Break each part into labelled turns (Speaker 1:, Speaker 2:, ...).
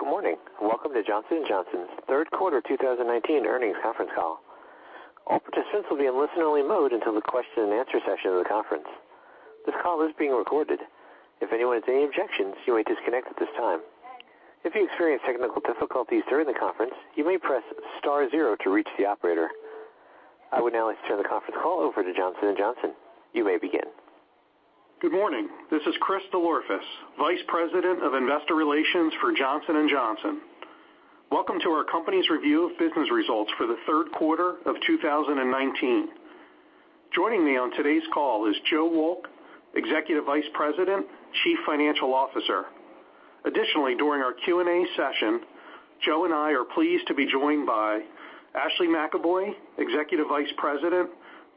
Speaker 1: Good morning. Welcome to Johnson & Johnson's third quarter 2019 earnings conference call. All participants will be in listen-only mode until the question and answer session of the conference. This call is being recorded. If anyone has any objections, you may disconnect at this time. If you experience technical difficulties during the conference, you may press star zero to reach the operator. I would now like to turn the conference call over to Johnson & Johnson. You may begin.
Speaker 2: Good morning. This is Chris DelOrefice, Vice President of Investor Relations for Johnson & Johnson. Welcome to our company's review of business results for the third quarter of 2019. Joining me on today's call is Joseph Wolk, Executive Vice President, Chief Financial Officer. During our Q&A session, Joe and I are pleased to be joined by Ashley McEvoy, Executive Vice President,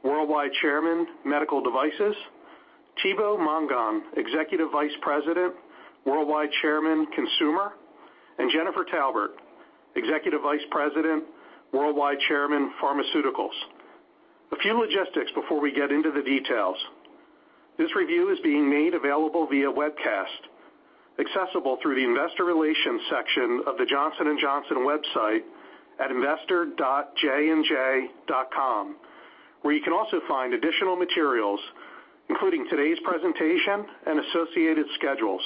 Speaker 2: Worldwide Chairman, Medical Devices, Thibaut Mongon, Executive Vice President, Worldwide Chairman, Consumer, and Jennifer Taubert, Executive Vice President, Worldwide Chairman, Pharmaceuticals. A few logistics before we get into the details. This review is being made available via webcast, accessible through the investor relations section of the Johnson & Johnson website at investor.jandj.com, where you can also find additional materials, including today's presentation and associated schedules.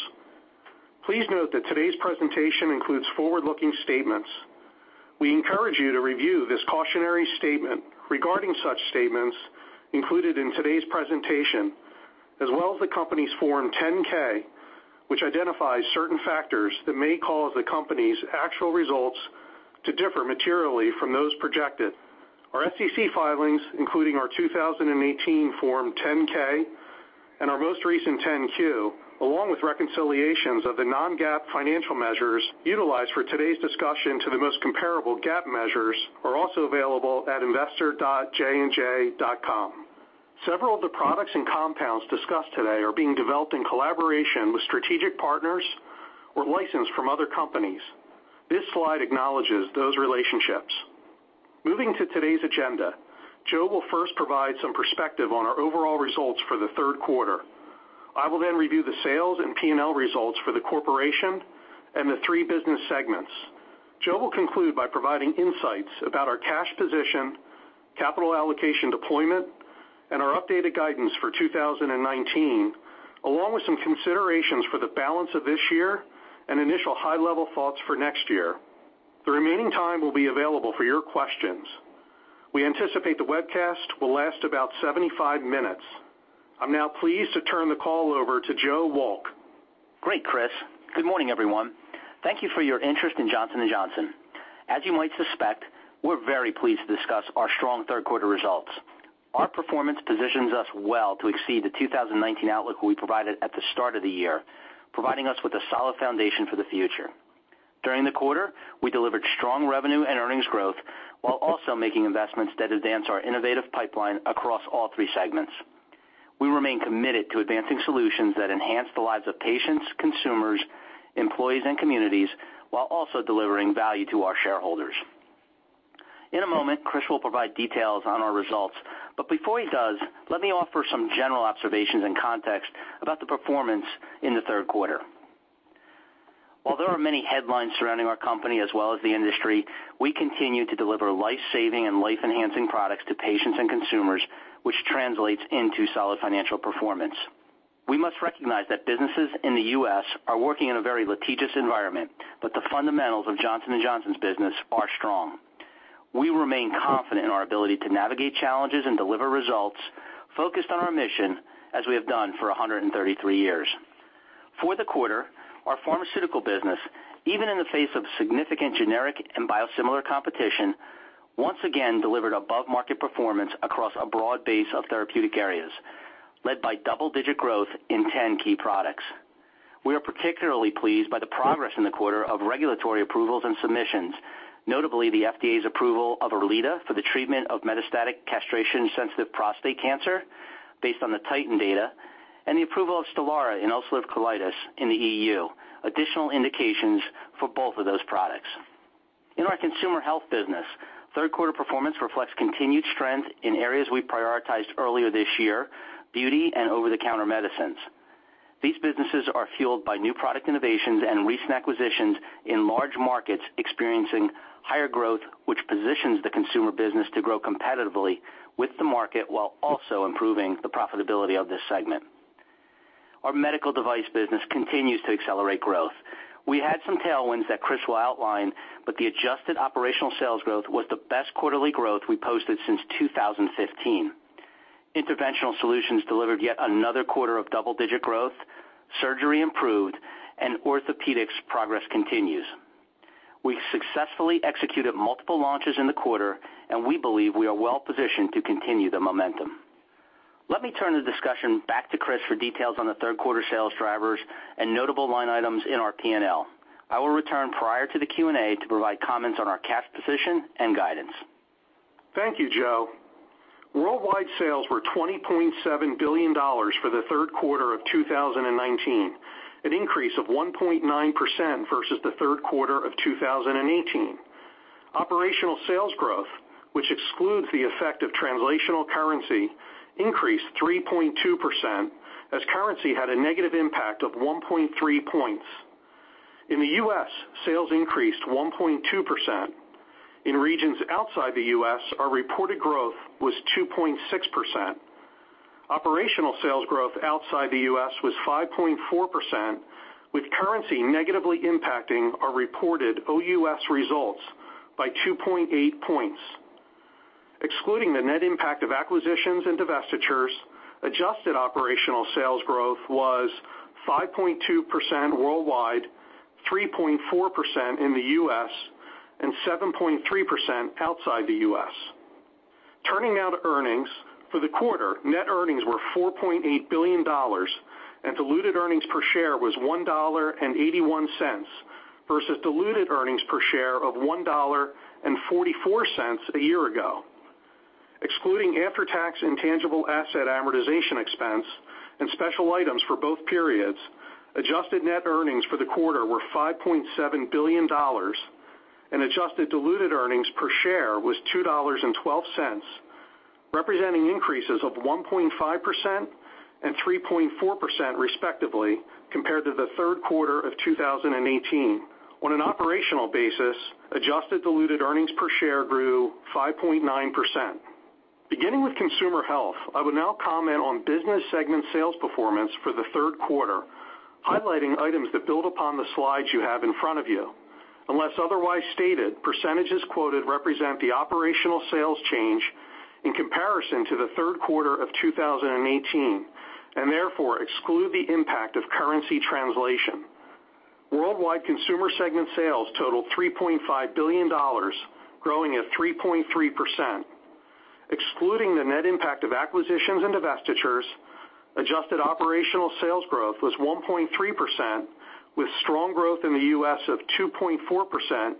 Speaker 2: Please note that today's presentation includes forward-looking statements. We encourage you to review this cautionary statement regarding such statements included in today's presentation, as well as the company's Form 10-K, which identifies certain factors that may cause the company's actual results to differ materially from those projected. Our SEC filings, including our 2018 Form 10-K and our most recent 10-Q, along with reconciliations of the non-GAAP financial measures utilized for today's discussion to the most comparable GAAP measures, are also available at investor.jandj.com. Several of the products and compounds discussed today are being developed in collaboration with strategic partners or licensed from other companies. This slide acknowledges those relationships. Moving to today's agenda, Joe will first provide some perspective on our overall results for the third quarter. I will then review the sales and P&L results for the corporation and the three business segments. Joe will conclude by providing insights about our cash position, capital allocation deployment, and our updated guidance for 2019, along with some considerations for the balance of this year and initial high-level thoughts for next year. The remaining time will be available for your questions. We anticipate the webcast will last about 75 minutes. I am now pleased to turn the call over to Joseph Wolk.
Speaker 3: Great, Chris. Good morning, everyone. Thank you for your interest in Johnson & Johnson. As you might suspect, we're very pleased to discuss our strong third quarter results. Our performance positions us well to exceed the 2019 outlook we provided at the start of the year, providing us with a solid foundation for the future. During the quarter, we delivered strong revenue and earnings growth while also making investments that advance our innovative pipeline across all three segments. We remain committed to advancing solutions that enhance the lives of patients, consumers, employees, and communities while also delivering value to our shareholders. In a moment, Chris will provide details on our results. Before he does, let me offer some general observations and context about the performance in the third quarter. Although there are many headlines surrounding our company as well as the industry, we continue to deliver life-saving and life-enhancing products to patients and consumers, which translates into solid financial performance. We must recognize that businesses in the U.S. are working in a very litigious environment, but the fundamentals of Johnson & Johnson's business are strong. We remain confident in our ability to navigate challenges and deliver results focused on our mission as we have done for 133 years. For the quarter, our pharmaceutical business, even in the face of significant generic and biosimilar competition, once again delivered above-market performance across a broad base of therapeutic areas, led by double-digit growth in 10 key products. We are particularly pleased by the progress in the quarter of regulatory approvals and submissions, notably the FDA's approval of ERLEADA for the treatment of metastatic castration-sensitive prostate cancer based on the TITAN data and the approval of STELARA in ulcerative colitis in the EU. Additional indications for both of those products. In our consumer health business, third quarter performance reflects continued strength in areas we prioritized earlier this year, beauty and over-the-counter medicines. These businesses are fueled by new product innovations and recent acquisitions in large markets experiencing higher growth, which positions the consumer business to grow competitively with the market while also improving the profitability of this segment. Our medical device business continues to accelerate growth. We had some tailwinds that Chris will outline. The adjusted operational sales growth was the best quarterly growth we posted since 2015. Interventional solutions delivered yet another quarter of double-digit growth, surgery improved, and orthopedics progress continues. We successfully executed multiple launches in the quarter, and we believe we are well positioned to continue the momentum. Let me turn the discussion back to Chris for details on the third quarter sales drivers and notable line items in our P&L. I will return prior to the Q&A to provide comments on our cash position and guidance.
Speaker 2: Thank you, Joe. Worldwide sales were $20.7 billion for the third quarter of 2019, an increase of 1.9% versus the third quarter of 2018. Operational sales growth, which excludes the effect of translational currency, increased 3.2%, as currency had a negative impact of 1.3 points. In the U.S., sales increased 1.2%. In regions outside the U.S., our reported growth was 2.6%. Operational sales growth outside the U.S. was 5.4%, with currency negatively impacting our reported OUS results by 2.8 points. Excluding the net impact of acquisitions and divestitures, adjusted operational sales growth was 5.2% worldwide, 3.4% in the U.S., and 7.3% outside the U.S. Turning now to earnings. For the quarter, net earnings were $4.8 billion and diluted earnings per share was $1.81 versus diluted earnings per share of $1.44 a year ago. Excluding after-tax intangible asset amortization expense and special items for both periods, adjusted net earnings for the quarter were $5.7 billion and adjusted diluted earnings per share was $2.12, representing increases of 1.5% and 3.4% respectively compared to the third quarter of 2018. On an operational basis, adjusted diluted earnings per share grew 5.9%. Beginning with Consumer Health, I will now comment on business segment sales performance for the third quarter, highlighting items that build upon the slides you have in front of you. Unless otherwise stated, percentages quoted represent the operational sales change in comparison to the third quarter of 2018, and therefore exclude the impact of currency translation. Worldwide Consumer segment sales totaled $3.5 billion, growing at 3.3%. Excluding the net impact of acquisitions and divestitures, adjusted operational sales growth was 1.3%, with strong growth in the U.S. of 2.4%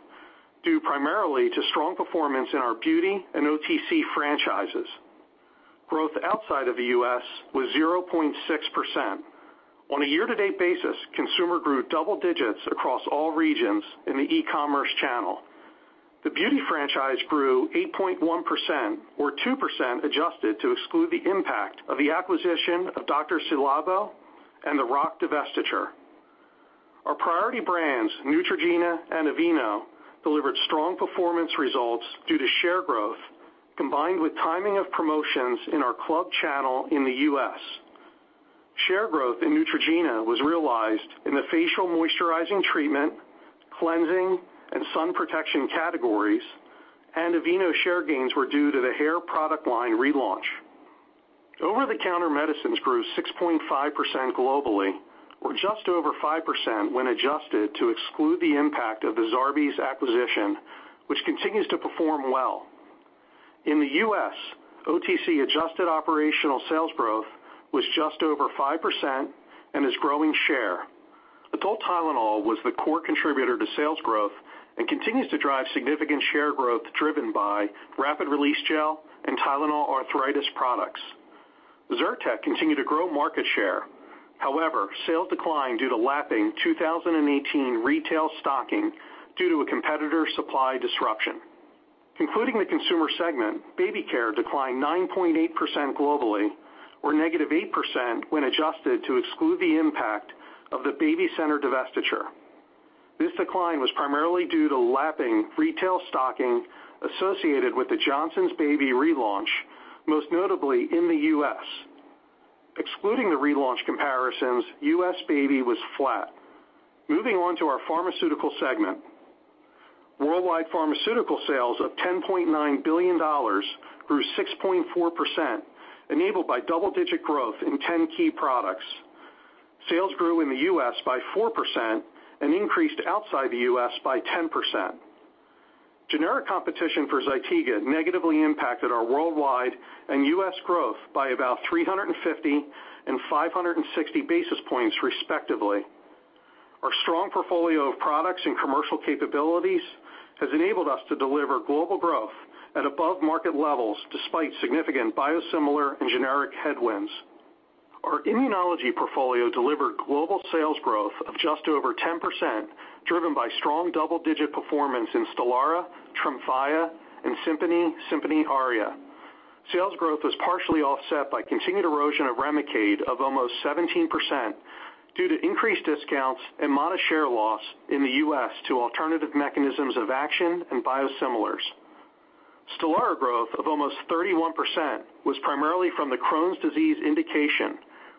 Speaker 2: due primarily to strong performance in our Beauty and OTC franchises. Growth outside of the U.S. was 0.6%. On a year-to-date basis, Consumer grew double digits across all regions in the e-commerce channel. The Beauty franchise grew 8.1%, or 2% adjusted to exclude the impact of the acquisition of Dr. Ci:Labo and the RoC divestiture. Our priority brands, Neutrogena and Aveeno, delivered strong performance results due to share growth, combined with timing of promotions in our club channel in the U.S. Share growth in Neutrogena was realized in the facial moisturizing treatment, cleansing, and sun protection categories, and Aveeno share gains were due to the hair product line relaunch. Over-the-counter medicines grew 6.5% globally, or just over 5% when adjusted to exclude the impact of the Zarbee's acquisition, which continues to perform well. In the U.S., OTC adjusted operational sales growth was just over 5% and is growing share. Adult Tylenol was the core contributor to sales growth and continues to drive significant share growth driven by rapid release gel and Tylenol arthritis products. Zyrtec continued to grow market share. Sales declined due to lapping 2018 retail stocking due to a competitor supply disruption. Concluding the Consumer Segment, Baby Care declined 9.8% globally or negative 8% when adjusted to exclude the impact of the BabyCenter divestiture. This decline was primarily due to lapping retail stocking associated with the Johnson's Baby relaunch, most notably in the U.S. Excluding the relaunch comparisons, U.S. Baby was flat. Moving on to our Pharmaceutical Segment. Worldwide Pharmaceutical sales of $10.9 billion grew 6.4%, enabled by double-digit growth in 10 key products. Sales grew in the U.S. by 4% and increased outside the U.S. by 10%. Generic competition for ZYTIGA negatively impacted our worldwide and U.S. growth by about 350 and 560 basis points, respectively. Our strong portfolio of products and commercial capabilities has enabled us to deliver global growth at above-market levels, despite significant biosimilar and generic headwinds. Our immunology portfolio delivered global sales growth of just over 10%, driven by strong double-digit performance in STELARA, TREMFYA, and SIMPONI ARIA. Sales growth was partially offset by continued erosion of REMICADE of almost 17% due to increased discounts and modest share loss in the U.S. to alternative mechanisms of action and biosimilars. STELARA growth of almost 31% was primarily from the Crohn's disease indication,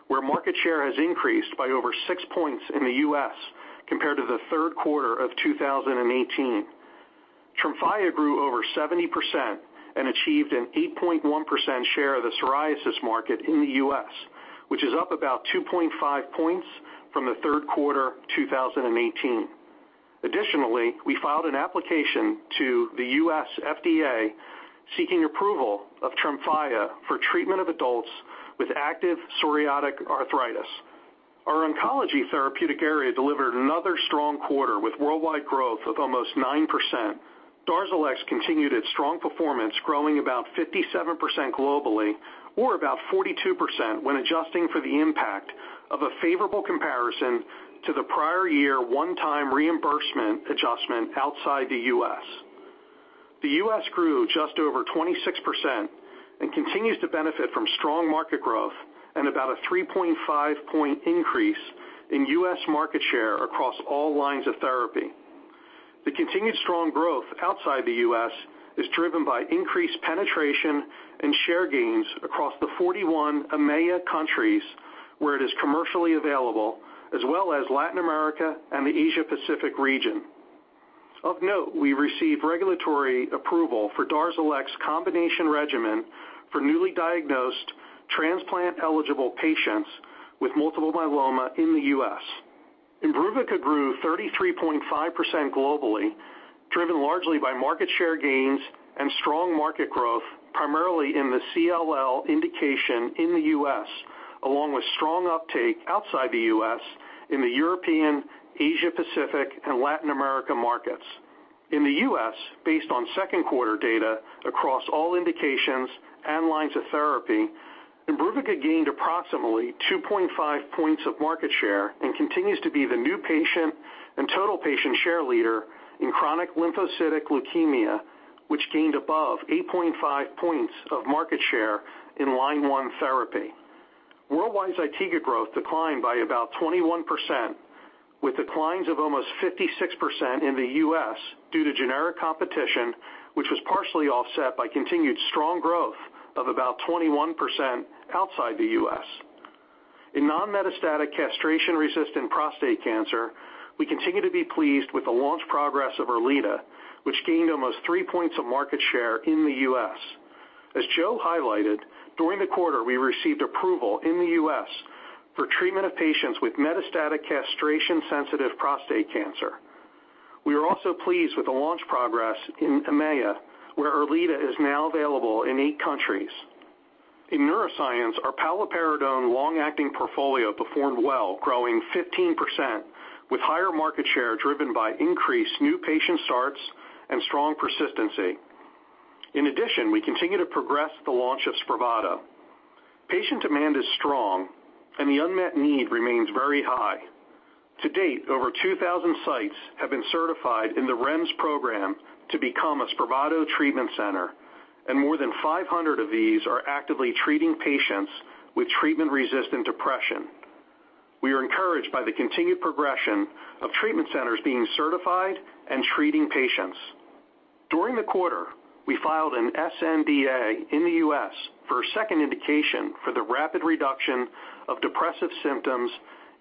Speaker 2: where market share has increased by over six points in the U.S. compared to the third quarter of 2018. TREMFYA grew over 70% and achieved an 8.1% share of the psoriasis market in the U.S., which is up about 2.5 points from the third quarter 2018. Additionally, we filed an application to the U.S. FDA seeking approval of TREMFYA for treatment of adults with active psoriatic arthritis. Our oncology therapeutic area delivered another strong quarter with worldwide growth of almost 9%. DARZALEX continued its strong performance, growing about 57% globally or about 42% when adjusting for the impact of a favorable comparison to the prior year one-time reimbursement adjustment outside the U.S. The U.S. grew just over 26% and continues to benefit from strong market growth and about a 3.5 point increase in U.S. market share across all lines of therapy. The continued strong growth outside the U.S. is driven by increased penetration and share gains across the 41 EMEA countries where it is commercially available, as well as Latin America and the Asia-Pacific region. Of note, we received regulatory approval for DARZALEX combination regimen for newly diagnosed transplant-eligible patients with multiple myeloma in the U.S. IMBRUVICA grew 33.5% globally, driven largely by market share gains and strong market growth, primarily in the CLL indication in the U.S., along with strong uptake outside the U.S. in the European, Asia-Pacific, and Latin America markets. In the U.S., based on second quarter data across all indications and lines of therapy, IMBRUVICA gained approximately 2.5 points of market share and continues to be the new patient and total patient share leader in chronic lymphocytic leukemia, which gained above 8.5 points of market share in line 1 therapy. Worldwide ZYTIGA growth declined by about 21%, with declines of almost 56% in the U.S. due to generic competition, which was partially offset by continued strong growth of about 21% outside the U.S. In non-metastatic castration-resistant prostate cancer, we continue to be pleased with the launch progress of ERLEADA, which gained almost three points of market share in the U.S. As Joe highlighted, during the quarter, we received approval in the U.S. for treatment of patients with metastatic castration-sensitive prostate cancer. We are also pleased with the launch progress in EMEA, where ERLEADA is now available in eight countries. In neuroscience, our paliperidone long-acting portfolio performed well, growing 15%, with higher market share driven by increased new patient starts and strong persistency. We continue to progress the launch of SPRAVATO. Patient demand is strong, and the unmet need remains very high. To date, over 2,000 sites have been certified in the REMS program to become a SPRAVATO treatment center, and more than 500 of these are actively treating patients with treatment-resistant depression. We are encouraged by the continued progression of treatment centers being certified and treating patients. During the quarter, we filed an sNDA in the U.S. for a second indication for the rapid reduction of depressive symptoms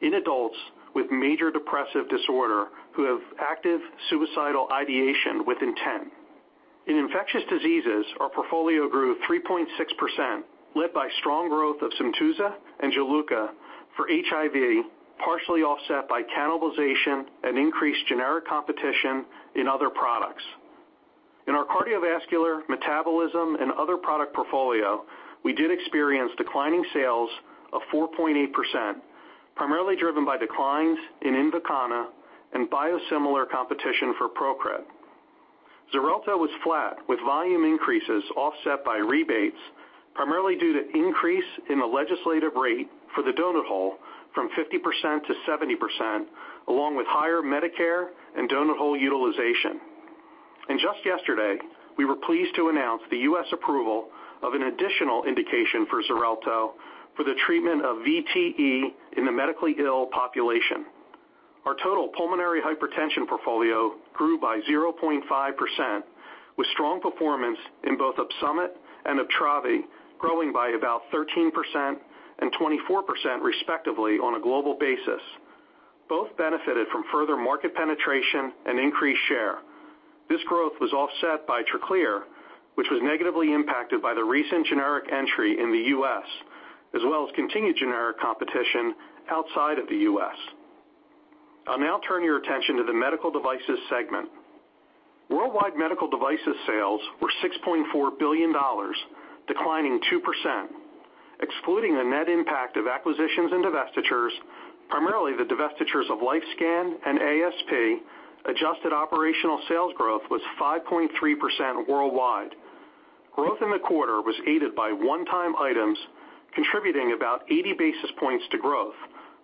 Speaker 2: in adults with major depressive disorder who have active suicidal ideation with intent. In infectious diseases, our portfolio grew 3.6%, led by strong growth of SYMTUZA and GILEAD for HIV, partially offset by cannibalization and increased generic competition in other products. In our cardiovascular, metabolism, and other product portfolio, we did experience declining sales of 4.8%, primarily driven by declines in INVOKANA and biosimilar competition for PROCRIT. XARELTO was flat, with volume increases offset by rebates, primarily due to increase in the legislative rate for the donut hole from 50% to 70%, along with higher Medicare and donut hole utilization. Just yesterday, we were pleased to announce the U.S. approval of an additional indication for XARELTO for the treatment of VTE in the medically ill population. Our total pulmonary hypertension portfolio grew by 0.5%, with strong performance in both OPSUMIT and UPTRAVI growing by about 13% and 24% respectively on a global basis. Both benefited from further market penetration and increased share. This growth was offset by TRACLEER, which was negatively impacted by the recent generic entry in the U.S., as well as continued generic competition outside of the U.S. I'll now turn your attention to the medical devices segment. Worldwide medical devices sales were $6.4 billion, declining 2%. Excluding the net impact of acquisitions and divestitures, primarily the divestitures of LifeScan and ASP, adjusted operational sales growth was 5.3% worldwide. Growth in the quarter was aided by one-time items contributing about 80 basis points to growth,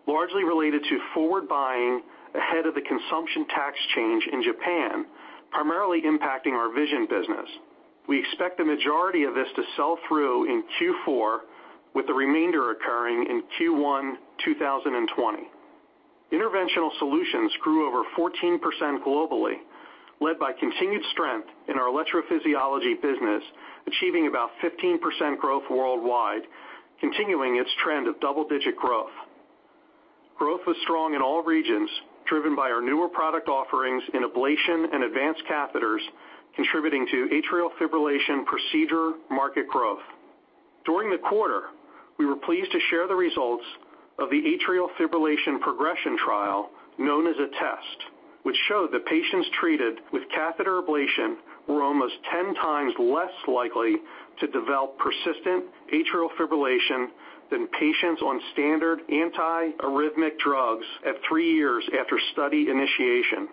Speaker 2: largely related to forward buying ahead of the consumption tax change in Japan, primarily impacting our vision business. We expect the majority of this to sell through in Q4, with the remainder occurring in Q1 2020. Interventional solutions grew over 14% globally, led by continued strength in our electrophysiology business, achieving about 15% growth worldwide, continuing its trend of double-digit growth. Growth was strong in all regions, driven by our newer product offerings in ablation and advanced catheters, contributing to atrial fibrillation procedure market growth. During the quarter, we were pleased to share the results of the Atrial Fibrillation Progression Trial, known as ATTEST, which showed that patients treated with catheter ablation were almost 10 times less likely to develop persistent atrial fibrillation than patients on standard anti-arrhythmic drugs at three years after study initiation.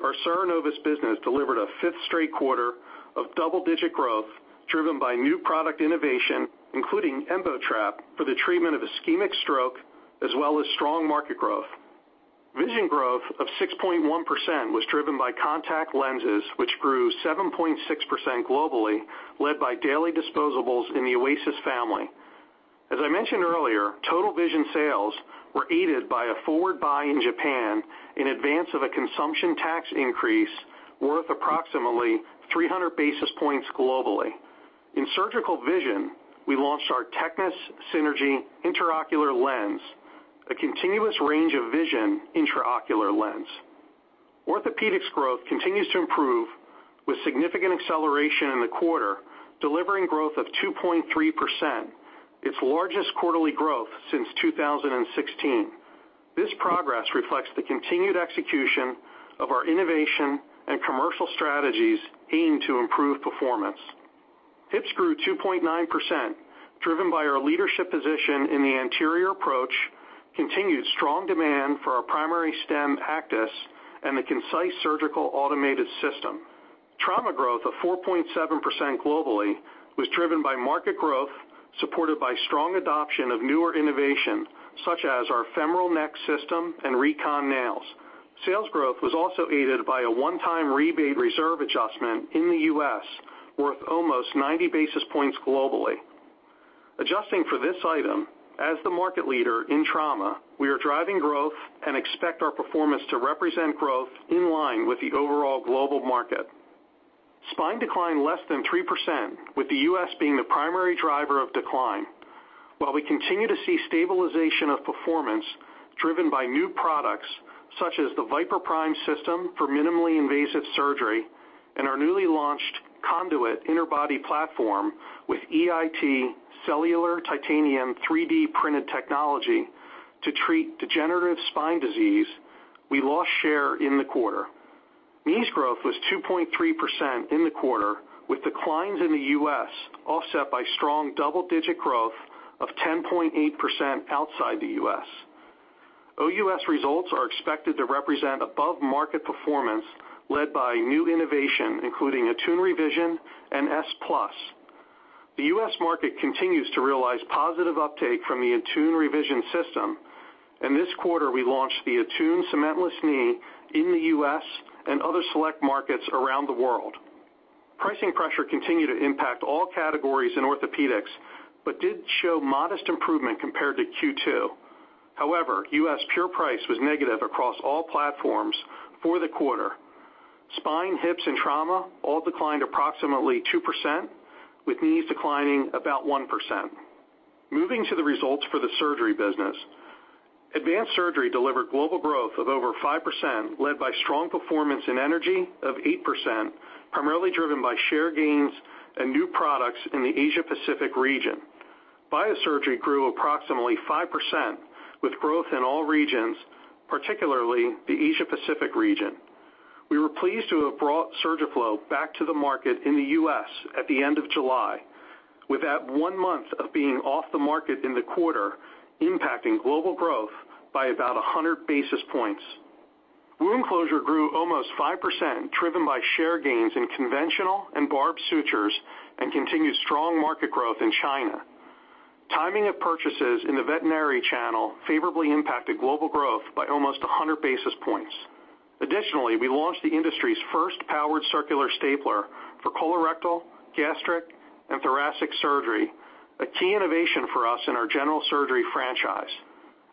Speaker 2: Our Cerenovus business delivered a fifth straight quarter of double-digit growth driven by new product innovation, including EMBOTRAP for the treatment of ischemic stroke, as well as strong market growth. Vision growth of 6.1% was driven by contact lenses, which grew 7.6% globally, led by daily disposables in the OASYS family. As I mentioned earlier, total vision sales were aided by a forward buy in Japan in advance of a consumption tax increase worth approximately 300 basis points globally. In surgical vision, we launched our TECNIS Synergy intraocular lens, a continuous range of vision intraocular lens. Orthopedics growth continues to improve with significant acceleration in the quarter, delivering growth of 2.3%, its largest quarterly growth since 2016. This progress reflects the continued execution of our innovation and commercial strategies aimed to improve performance. Hips grew 2.9%, driven by our leadership position in the anterior approach, continued strong demand for our primary stem ACTIS, and the KINCISE Surgical Automated System. Trauma growth of 4.7% globally was driven by market growth, supported by strong adoption of newer innovation, such as our Femoral Neck System and Recon Nails. Sales growth was also aided by a one-time rebate reserve adjustment in the U.S., worth almost 90 basis points globally. Adjusting for this item, as the market leader in trauma, we are driving growth and expect our performance to represent growth in line with the overall global market. Spine declined less than 3%, with the U.S. being the primary driver of decline. While we continue to see stabilization of performance driven by new products, such as the VIPER PRIME system for minimally invasive surgery and our newly launched CONDUIT Interbody platform with EIT cellular titanium 3D printed technology to treat degenerative spine disease, we lost share in the quarter. Knees growth was 2.3% in the quarter, with declines in the U.S. offset by strong double-digit growth of 10.8% outside the U.S. OUS results are expected to represent above-market performance led by new innovation, including ATTUNE Revision and S+. The U.S. market continues to realize positive uptake from the ATTUNE Revision system. In this quarter, we launched the ATTUNE cementless knee in the U.S. and other select markets around the world. Pricing pressure continued to impact all categories in orthopedics, but did show modest improvement compared to Q2. However, U.S. pure price was negative across all platforms for the quarter. Spine, hips, and trauma all declined approximately 2%, with knees declining about 1%. Moving to the results for the surgery business. Advanced surgery delivered global growth of over 5%, led by strong performance in energy of 8%, primarily driven by share gains and new products in the Asia-Pacific region. Biosurgery grew approximately 5%, with growth in all regions, particularly the Asia-Pacific region. We were pleased to have brought SURGIFLO back to the market in the U.S. at the end of July, with that one month of being off the market in the quarter impacting global growth by about 100 basis points. Wound closure grew almost 5%, driven by share gains in conventional and barbed sutures and continued strong market growth in China. Timing of purchases in the veterinary channel favorably impacted global growth by almost 100 basis points. Additionally, we launched the industry's first powered circular stapler for colorectal, gastric, and thoracic surgery, a key innovation for us in our general surgery franchise.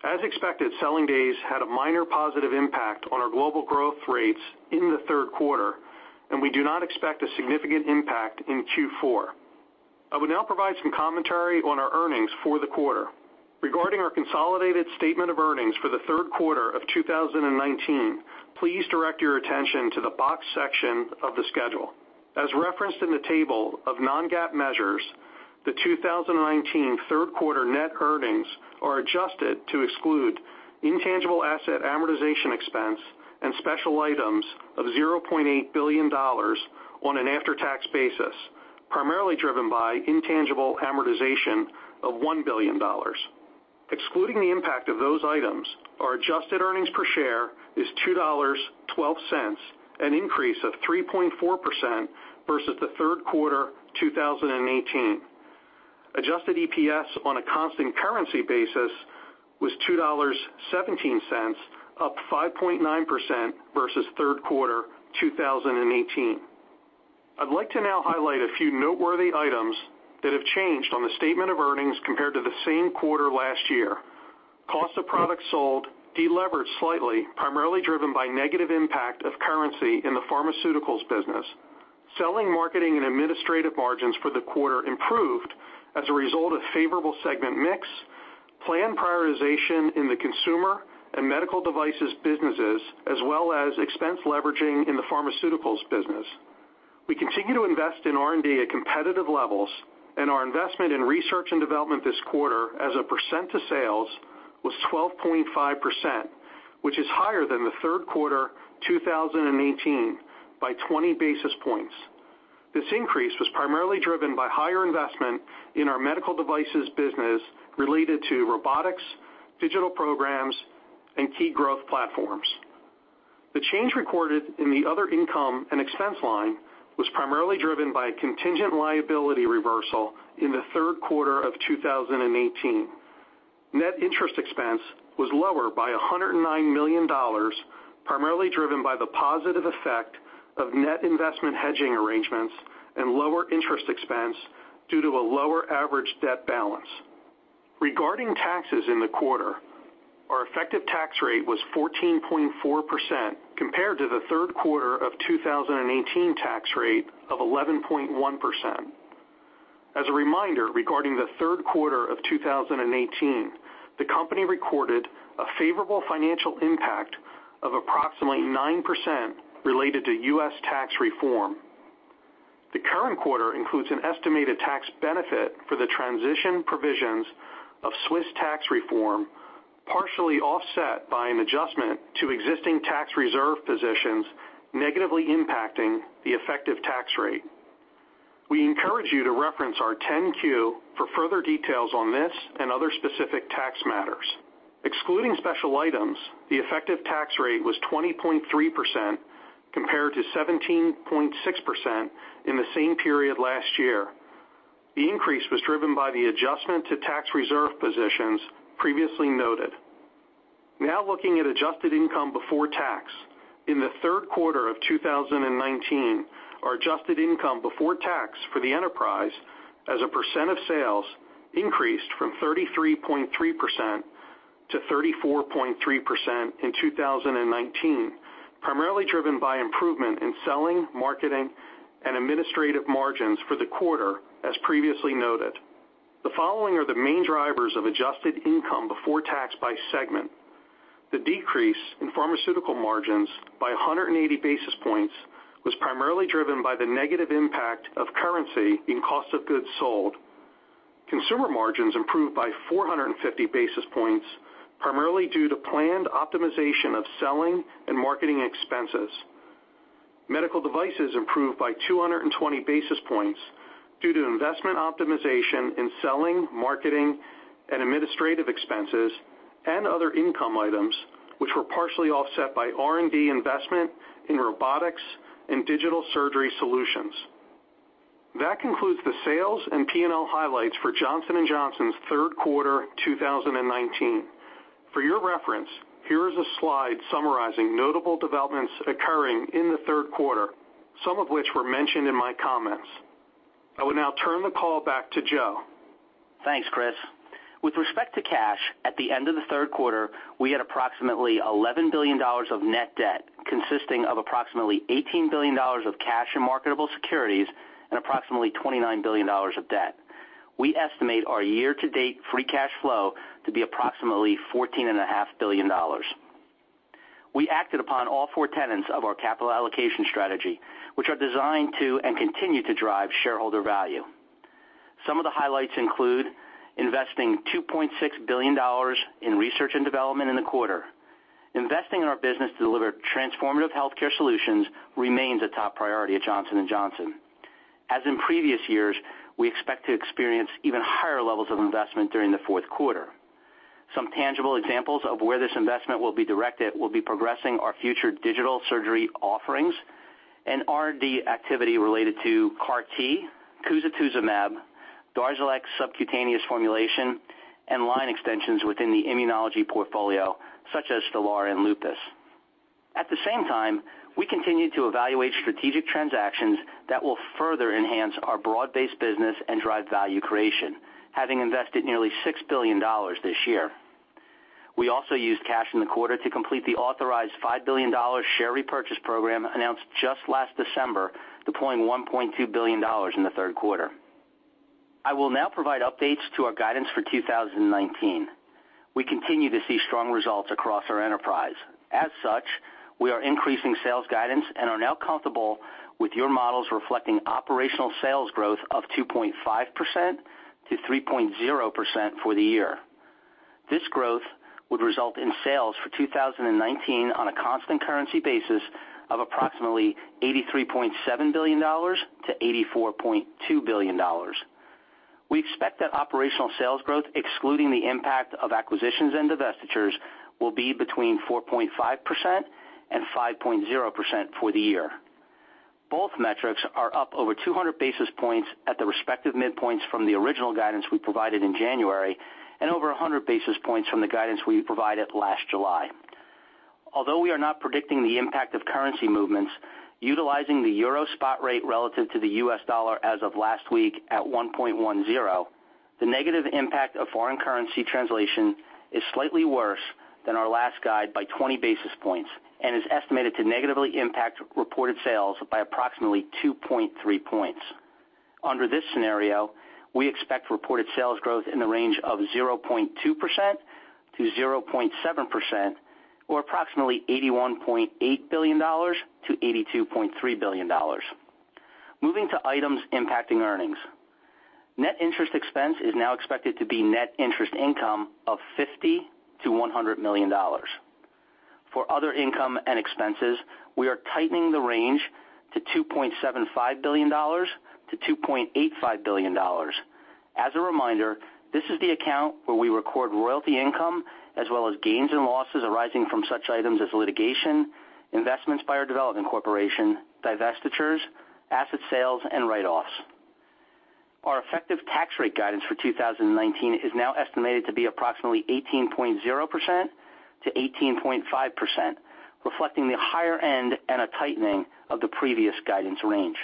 Speaker 2: As expected, selling days had a minor positive impact on our global growth rates in the third quarter, and we do not expect a significant impact in Q4. I will now provide some commentary on our earnings for the quarter. Regarding our consolidated statement of earnings for the third quarter of 2019, please direct your attention to the box section of the schedule. As referenced in the table of non-GAAP measures, the 2019 third quarter net earnings are adjusted to exclude intangible asset amortization expense and special items of $0.8 billion on an after-tax basis, primarily driven by intangible amortization of $1 billion. Excluding the impact of those items, our adjusted earnings per share is $2.12, an increase of 3.4% versus the third quarter 2018. Adjusted EPS on a constant currency basis was $2.17, up 5.9% versus third quarter 2018. I'd like to now highlight a few noteworthy items that have changed on the statement of earnings compared to the same quarter last year. Cost of products sold delevered slightly, primarily driven by negative impact of currency in the pharmaceuticals business. Selling, Marketing, and Administrative margins for the quarter improved as a result of favorable segment mix, plan prioritization in the Consumer and Medical Devices businesses, as well as expense leveraging in the Pharmaceuticals business. We continue to invest in R&D at competitive levels, our investment in research and development this quarter as a percent of sales was 12.5%, which is higher than the third quarter 2018 by 20 basis points. This increase was primarily driven by higher investment in our Medical Devices business related to robotics, digital programs, and key growth platforms. The change recorded in the Other Income and Expense line was primarily driven by a contingent liability reversal in the third quarter of 2018. Net interest expense was lower by $109 million, primarily driven by the positive effect of net investment hedging arrangements and lower interest expense due to a lower average debt balance. Regarding taxes in the quarter, our effective tax rate was 14.4% compared to the third quarter of 2018 tax rate of 11.1%. As a reminder, regarding the third quarter of 2018, the company recorded a favorable financial impact of approximately 9% related to U.S. tax reform. The current quarter includes an estimated tax benefit for the transition provisions of Swiss tax reform, partially offset by an adjustment to existing tax reserve positions, negatively impacting the effective tax rate. We encourage you to reference our 10-Q for further details on this and other specific tax matters. Excluding special items, the effective tax rate was 20.3% compared to 17.6% in the same period last year. The increase was driven by the adjustment to tax reserve positions previously noted. Now looking at adjusted income before tax. In the third quarter of 2019, our adjusted income before tax for the enterprise as a % of sales increased from 33.3% to 34.3% in 2019, primarily driven by improvement in selling, marketing, and administrative margins for the quarter, as previously noted. The following are the main drivers of adjusted income before tax by segment. The decrease in pharmaceutical margins by 180 basis points was primarily driven by the negative impact of currency in cost of goods sold. Consumer margins improved by 450 basis points, primarily due to planned optimization of selling and marketing expenses. Medical devices improved by 220 basis points due to investment optimization in selling, marketing, and administrative expenses, and other income items, which were partially offset by R&D investment in robotics and digital surgery solutions. That concludes the sales and P&L highlights for Johnson & Johnson's third quarter 2019. For your reference, here is a slide summarizing notable developments occurring in the third quarter, some of which were mentioned in my comments. I will now turn the call back to Joe.
Speaker 3: Thanks, Chris. With respect to cash, at the end of the third quarter, we had approximately $11 billion of net debt, consisting of approximately $18 billion of cash and marketable securities and approximately $29 billion of debt. We estimate our year-to-date free cash flow to be approximately $14.5 billion. We acted upon all four tenets of our capital allocation strategy, which are designed to and continue to drive shareholder value. Some of the highlights include investing $2.6 billion in research and development in the quarter. Investing in our business to deliver transformative healthcare solutions remains a top priority at Johnson & Johnson. As in previous years, we expect to experience even higher levels of investment during the fourth quarter. Some tangible examples of where this investment will be directed will be progressing our future digital surgery offerings and R&D activity related to CAR T, cusatuzumab, DARZALEX subcutaneous formulation, and line extensions within the immunology portfolio, such as STELARA and lupus. At the same time, we continue to evaluate strategic transactions that will further enhance our broad-based business and drive value creation, having invested nearly $6 billion this year. We also used cash in the quarter to complete the authorized $5 billion share repurchase program announced just last December, deploying $1.2 billion in the third quarter. I will now provide updates to our guidance for 2019. We continue to see strong results across our enterprise. As such, we are increasing sales guidance and are now comfortable with your models reflecting operational sales growth of 2.5% to 3.0% for the year. This growth would result in sales for 2019 on a constant currency basis of approximately $83.7 billion-$84.2 billion. We expect that operational sales growth, excluding the impact of acquisitions and divestitures, will be between 4.5% and 5.0% for the year. Both metrics are up over 200 basis points at the respective midpoints from the original guidance we provided in January and over 100 basis points from the guidance we provided last July. Although we are not predicting the impact of currency movements, utilizing the EUR spot rate relative to the U.S. dollar as of last week at 1.10, the negative impact of foreign currency translation is slightly worse than our last guide by 20 basis points and is estimated to negatively impact reported sales by approximately 2.3 points. Under this scenario, we expect reported sales growth in the range of 0.2%-0.7%, or approximately $81.8 billion-$82.3 billion. Moving to items impacting earnings. Net interest expense is now expected to be net interest income of $50 million-$100 million. For other income and expenses, we are tightening the range to $2.75 billion-$2.85 billion. As a reminder, this is the account where we record royalty income, as well as gains and losses arising from such items as litigation, investments by our development corporation, divestitures, asset sales, and write-offs. Our effective tax rate guidance for 2019 is now estimated to be approximately 18.0%-18.5%, reflecting the higher end and a tightening of the previous guidance range.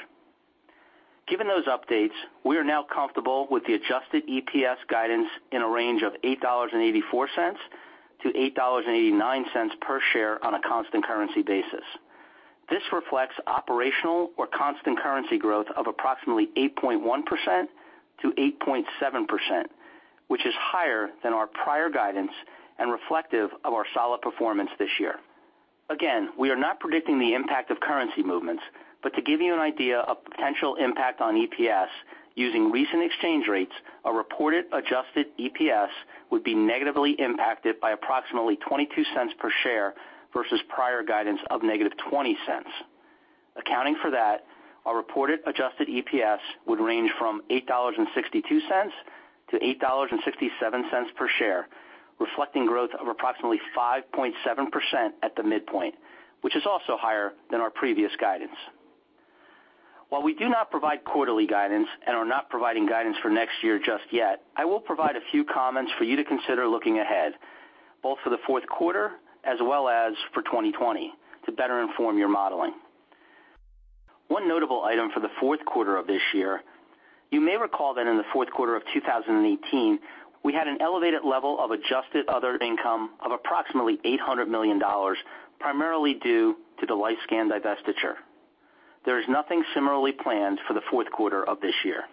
Speaker 3: Given those updates, we are now comfortable with the adjusted EPS guidance in a range of $8.84-$8.89 per share on a constant currency basis. This reflects operational or constant currency growth of approximately 8.1%-8.7%, which is higher than our prior guidance and reflective of our solid performance this year. We are not predicting the impact of currency movements, but to give you an idea of potential impact on EPS, using recent exchange rates, a reported adjusted EPS would be negatively impacted by approximately $0.22 per share versus prior guidance of negative $0.20. Accounting for that, our reported adjusted EPS would range from $8.62-$8.67 per share, reflecting growth of approximately 5.7% at the midpoint, which is also higher than our previous guidance. While we do not provide quarterly guidance and are not providing guidance for next year just yet, I will provide a few comments for you to consider looking ahead, both for the fourth quarter as well as for 2020 to better inform your modeling. One notable item for the fourth quarter of this year, you may recall that in the fourth quarter of 2018, we had an elevated level of adjusted other income of approximately $800 million primarily due to the LifeScan divestiture. There is nothing similarly planned for the fourth quarter of this year.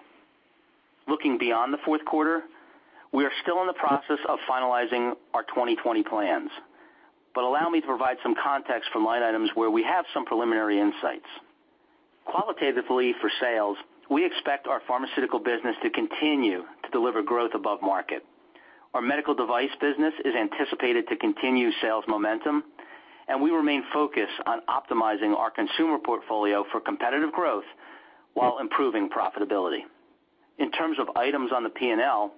Speaker 3: Looking beyond the fourth quarter, we are still in the process of finalizing our 2020 plans. Allow me to provide some context from line items where we have some preliminary insights. Qualitatively for sales, we expect our pharmaceutical business to continue to deliver growth above market. Our medical device business is anticipated to continue sales momentum, and we remain focused on optimizing our consumer portfolio for competitive growth while improving profitability. In terms of items on the P&L,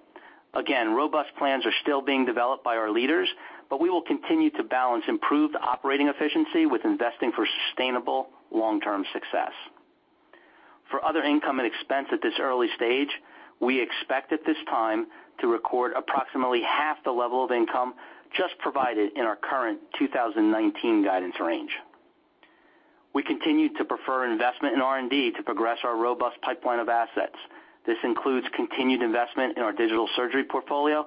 Speaker 3: again, robust plans are still being developed by our leaders, but we will continue to balance improved operating efficiency with investing for sustainable long-term success. For other income and expense at this early stage, we expect at this time to record approximately half the level of income just provided in our current 2019 guidance range. We continue to prefer investment in R&D to progress our robust pipeline of assets. This includes continued investment in our digital surgery portfolio,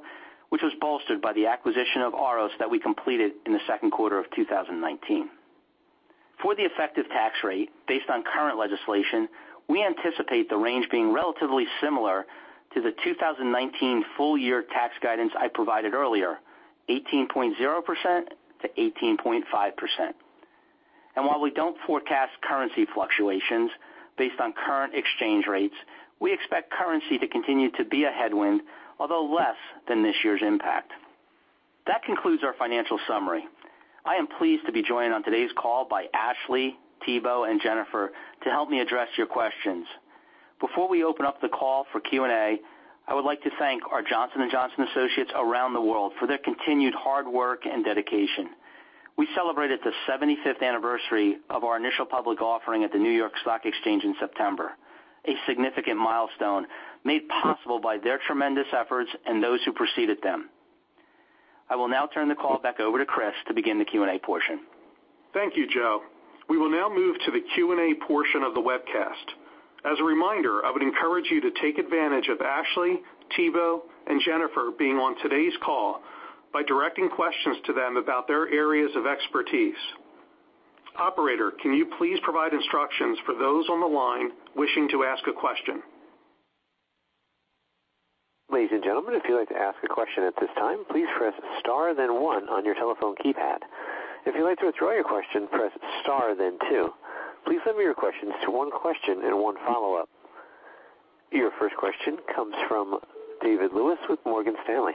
Speaker 3: which was bolstered by the acquisition of Auris that we completed in the second quarter of 2019. For the effective tax rate, based on current legislation, we anticipate the range being relatively similar to the 2019 full year tax guidance I provided earlier, 18.0%-18.5%. While we don't forecast currency fluctuations based on current exchange rates, we expect currency to continue to be a headwind, although less than this year's impact. That concludes our financial summary. I am pleased to be joined on today's call by Ashley, Thibaut, and Jennifer to help me address your questions. Before we open up the call for Q&A, I would like to thank our Johnson & Johnson associates around the world for their continued hard work and dedication. We celebrated the 75th anniversary of our initial public offering at the New York Stock Exchange in September, a significant milestone made possible by their tremendous efforts and those who preceded them. I will now turn the call back over to Chris to begin the Q&A portion.
Speaker 2: Thank you, Joe. We will now move to the Q&A portion of the webcast. As a reminder, I would encourage you to take advantage of Ashley, Thibaut, and Jennifer being on today's call by directing questions to them about their areas of expertise. Operator, can you please provide instructions for those on the line wishing to ask a question?
Speaker 1: Ladies and gentlemen, if you'd like to ask a question at this time, please press star then one on your telephone keypad. If you'd like to withdraw your question, press star then two. Please limit your questions to one question and one follow-up. Your first question comes from David Lewis with Morgan Stanley.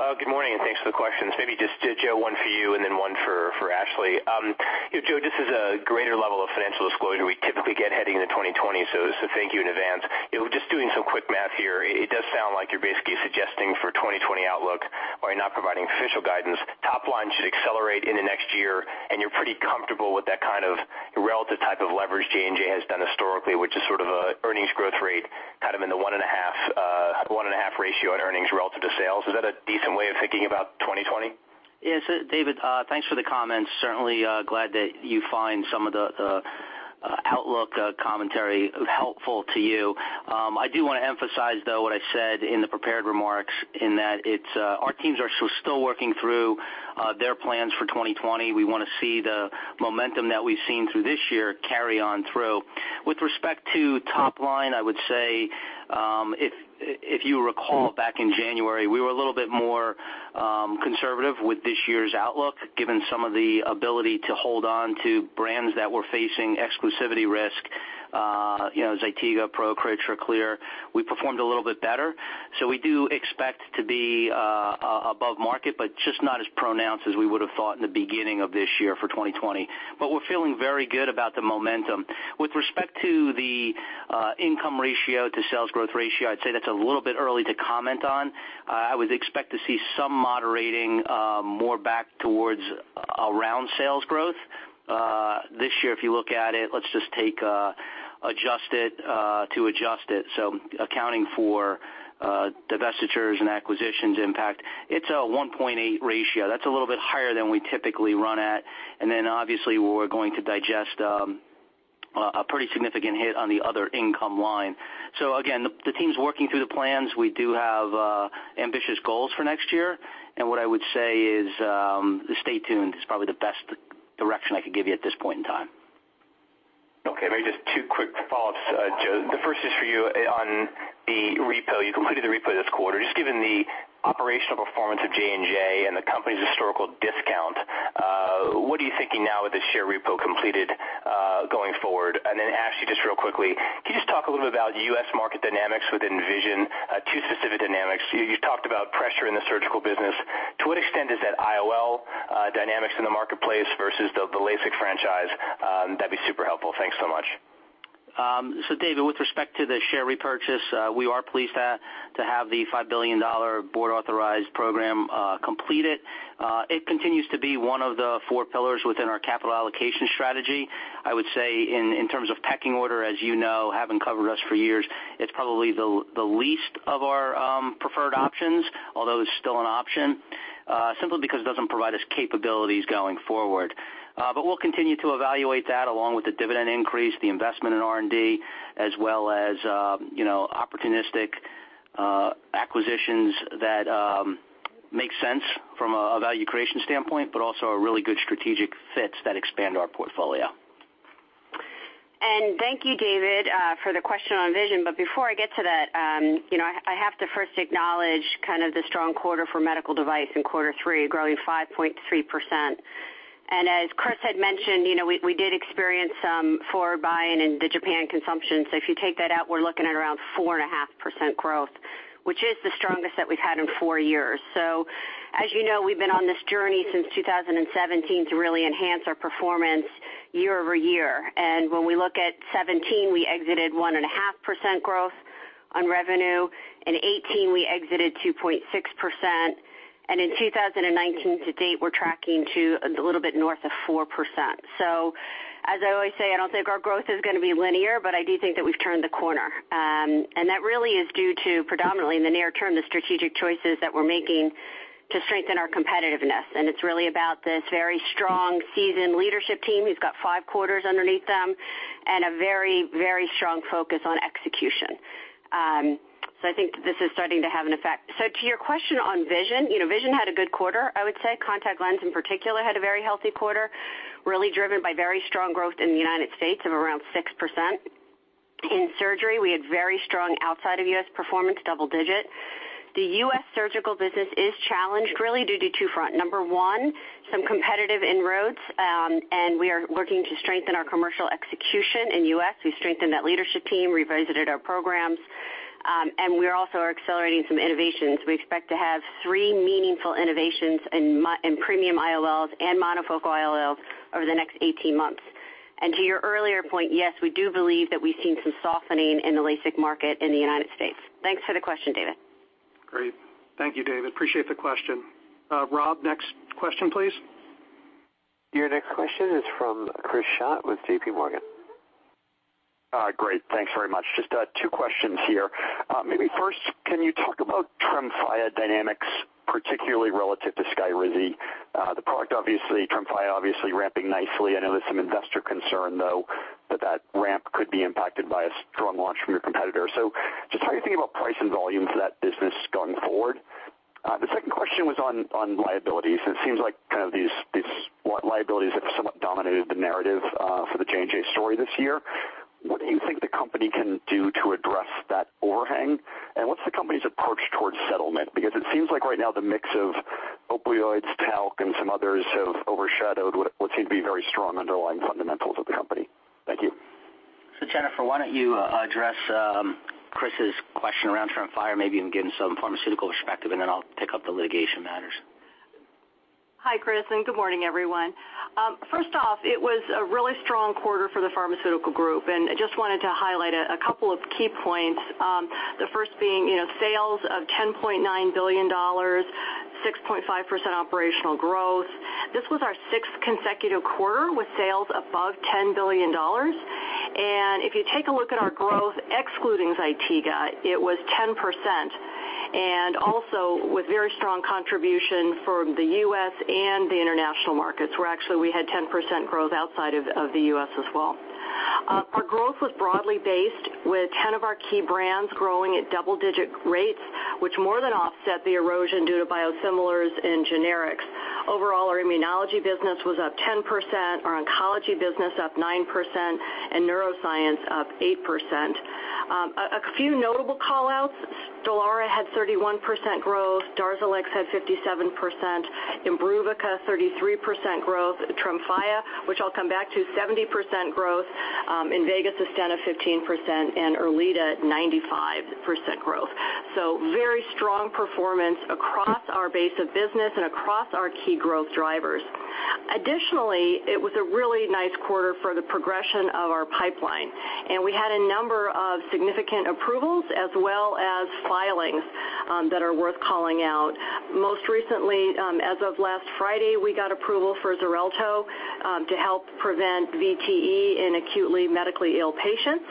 Speaker 4: Good morning. Thanks for the questions. Maybe just, Joe, one for you and then one for Ashley. Joe, this is a greater level of financial disclosure we typically get heading into 2020, so thank you in advance. Just doing some quick math here, it does sound like you're basically suggesting for 2020 outlook, while you're not providing official guidance, top line should accelerate into next year and you're pretty comfortable with that kind of relative type of leverage J&J has done historically, which is sort of a earnings growth rate kind of in the 1.5 ratio on earnings relative to sales. Is that a decent way of thinking about 2020?
Speaker 3: Yes. David, thanks for the comments. Certainly glad that you find some of the outlook commentary helpful to you. I do want to emphasize, though, what I said in the prepared remarks, in that our teams are still working through their plans for 2020. We want to see the momentum that we've seen through this year carry on through. With respect to top line, I would say, if you recall back in January, we were a little bit more conservative with this year's outlook, given some of the ability to hold on to brands that were facing exclusivity risk, ZYTIGA, PROCRIT, TRACLEER. We performed a little bit better. We do expect to be above market, but just not as pronounced as we would've thought in the beginning of this year for 2020. We're feeling very good about the momentum. With respect to the income ratio to sales growth ratio, I'd say that's a little bit early to comment on. I would expect to see some moderating more back towards sales growth. This year, if you look at it, let's just take it adjusted. Accounting for divestitures and acquisitions impact, it's a 1.8 ratio. That's a little bit higher than we typically run at. Obviously we're going to digest a pretty significant hit on the other income line. Again, the team's working through the plans. We do have ambitious goals for next year. What I would say is, stay tuned is probably the best direction I could give you at this point in time.
Speaker 4: Okay. Maybe just two quick follow-ups, Joe. The first is for you on the repo. You completed the repo this quarter. Just given the operational performance of J&J and the company's historical discount, what are you thinking now with the share repo completed, going forward? Ashley, just real quickly, can you just talk a little bit about U.S. market dynamics within vision, two specific dynamics. You talked about pressure in the surgical business. To what extent is that IOL dynamics in the marketplace versus the LASIK franchise? That'd be super helpful. Thanks so much.
Speaker 3: David, with respect to the share repurchase, we are pleased to have the $5 billion board-authorized program completed. It continues to be one of the four pillars within our capital allocation strategy. I would say in terms of pecking order, as you know, having covered us for years, it's probably the least of our preferred options, although it's still an option, simply because it doesn't provide us capabilities going forward. We'll continue to evaluate that along with the dividend increase, the investment in R&D, as well as opportunistic acquisitions that make sense from a value creation standpoint, but also are really good strategic fits that expand our portfolio.
Speaker 5: Thank you, David, for the question on vision. Before I get to that, I have to first acknowledge the strong quarter for Medical Devices in quarter three, growing 5.3%. As Chris had mentioned, we did experience some foreign buying in the Japan consumption. If you take that out, we're looking at around 4.5% growth, which is the strongest that we've had in four years. As you know, we've been on this journey since 2017 to really enhance our performance year-over-year. When we look at 2017, we exited 1.5% growth on revenue. In 2018, we exited 2.6%. In 2019 to date, we're tracking to a little bit north of 4%. As I always say, I don't think our growth is going to be linear, but I do think that we've turned the corner. That really is due to predominantly in the near term, the strategic choices that we're making to strengthen our competitiveness. It's really about this very strong seasoned leadership team who's got five quarters underneath them and a very strong focus on execution. I think this is starting to have an effect. To your question on Vision had a good quarter, I would say. Contact lens in particular had a very healthy quarter, really driven by very strong growth in the United States of around 6%. In surgery, we had very strong outside of U.S. performance, double digit. The U.S. surgical business is challenged really due to two front. Number one, some competitive inroads, and we are working to strengthen our commercial execution in U.S. We've strengthened that leadership team, revisited our programs, and we also are accelerating some innovations. We expect to have three meaningful innovations in premium IOLs and monofocal IOLs over the next 18 months. To your earlier point, yes, we do believe that we've seen some softening in the LASIK market in the U.S. Thanks for the question, David.
Speaker 2: Great. Thank you, David. Appreciate the question. Rob, next question, please.
Speaker 1: Your next question is from Chris Schott with J.P. Morgan.
Speaker 6: Great. Thanks very much. Just two questions here. Maybe first, can you talk about Tremfya dynamics, particularly relative to Skyrizi? The product obviously, Tremfya obviously ramping nicely. I know there's some investor concern, though, that ramp could be impacted by a strong launch from your competitor. Just how are you thinking about price and volume for that business going forward? The second question was on liabilities, and it seems like kind of these liabilities have somewhat dominated the narrative for the J&J story this year. What do you think the company can do to address that overhang? What's the company's approach towards settlement? It seems like right now the mix of opioids, talc, and some others have overshadowed what seem to be very strong underlying fundamentals of the company. Thank you.
Speaker 3: Jennifer, why don't you address Chris's question around TREMFYA, maybe even give him some pharmaceutical perspective, and then I'll pick up the litigation matters.
Speaker 7: Hi, Chris, and good morning, everyone. First off, it was a really strong quarter for the pharmaceutical group. I just wanted to highlight a couple of key points. The first being sales of $10.9 billion, 6.5% operational growth. This was our sixth consecutive quarter with sales above $10 billion. If you take a look at our growth, excluding ZYTIGA, it was 10%. Also with very strong contribution from the U.S. and the international markets, where actually we had 10% growth outside of the U.S. as well. Our growth was broadly based with 10 of our key brands growing at double-digit rates, which more than offset the erosion due to biosimilars and generics. Overall, our immunology business was up 10%, our oncology business up 9%, and neuroscience up 8%. A few notable call-outs, STELARA had 31% growth, DARZALEX had 57%, IMBRUVICA 33% growth, TREMFYA, which I'll come back to, 70% growth, INVEGA SUSTENNA 15%, and ERLEADA 95% growth. Very strong performance across our base of business and across our key growth drivers. Additionally, it was a really nice quarter for the progression of our pipeline, and we had a number of significant approvals as well as filings that are worth calling out. Most recently, as of last Friday, we got approval for XARELTO to help prevent VTE in acutely medically ill patients.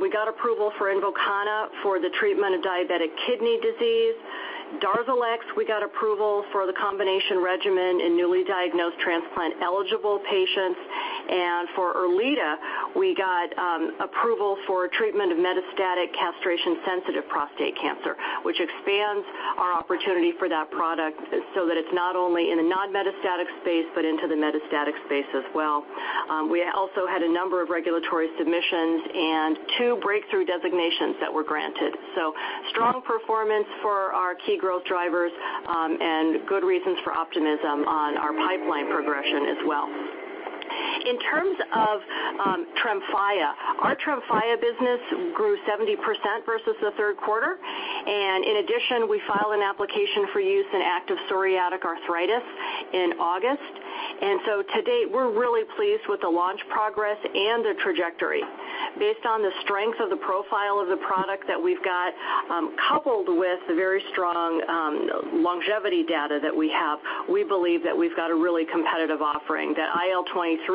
Speaker 7: We got approval for INVOKANA for the treatment of diabetic kidney disease. DARZALEX, we got approval for the combination regimen in newly diagnosed transplant-eligible patients. For ERLEADA, we got approval for treatment of metastatic castration-sensitive prostate cancer, which expands our opportunity for that product so that it's not only in a non-metastatic space but into the metastatic space as well. We also had a number of regulatory submissions and two breakthrough designations that were granted. Strong performance for our key growth drivers and good reasons for optimism on our pipeline progression as well. In terms of TREMFYA, our TREMFYA business grew 70% versus the third quarter. In addition, we filed an application for use in active psoriatic arthritis in August. To date, we're really pleased with the launch progress and the trajectory. Based on the strength of the profile of the product that we've got, coupled with the very strong longevity data that we have, we believe that we've got a really competitive offering, that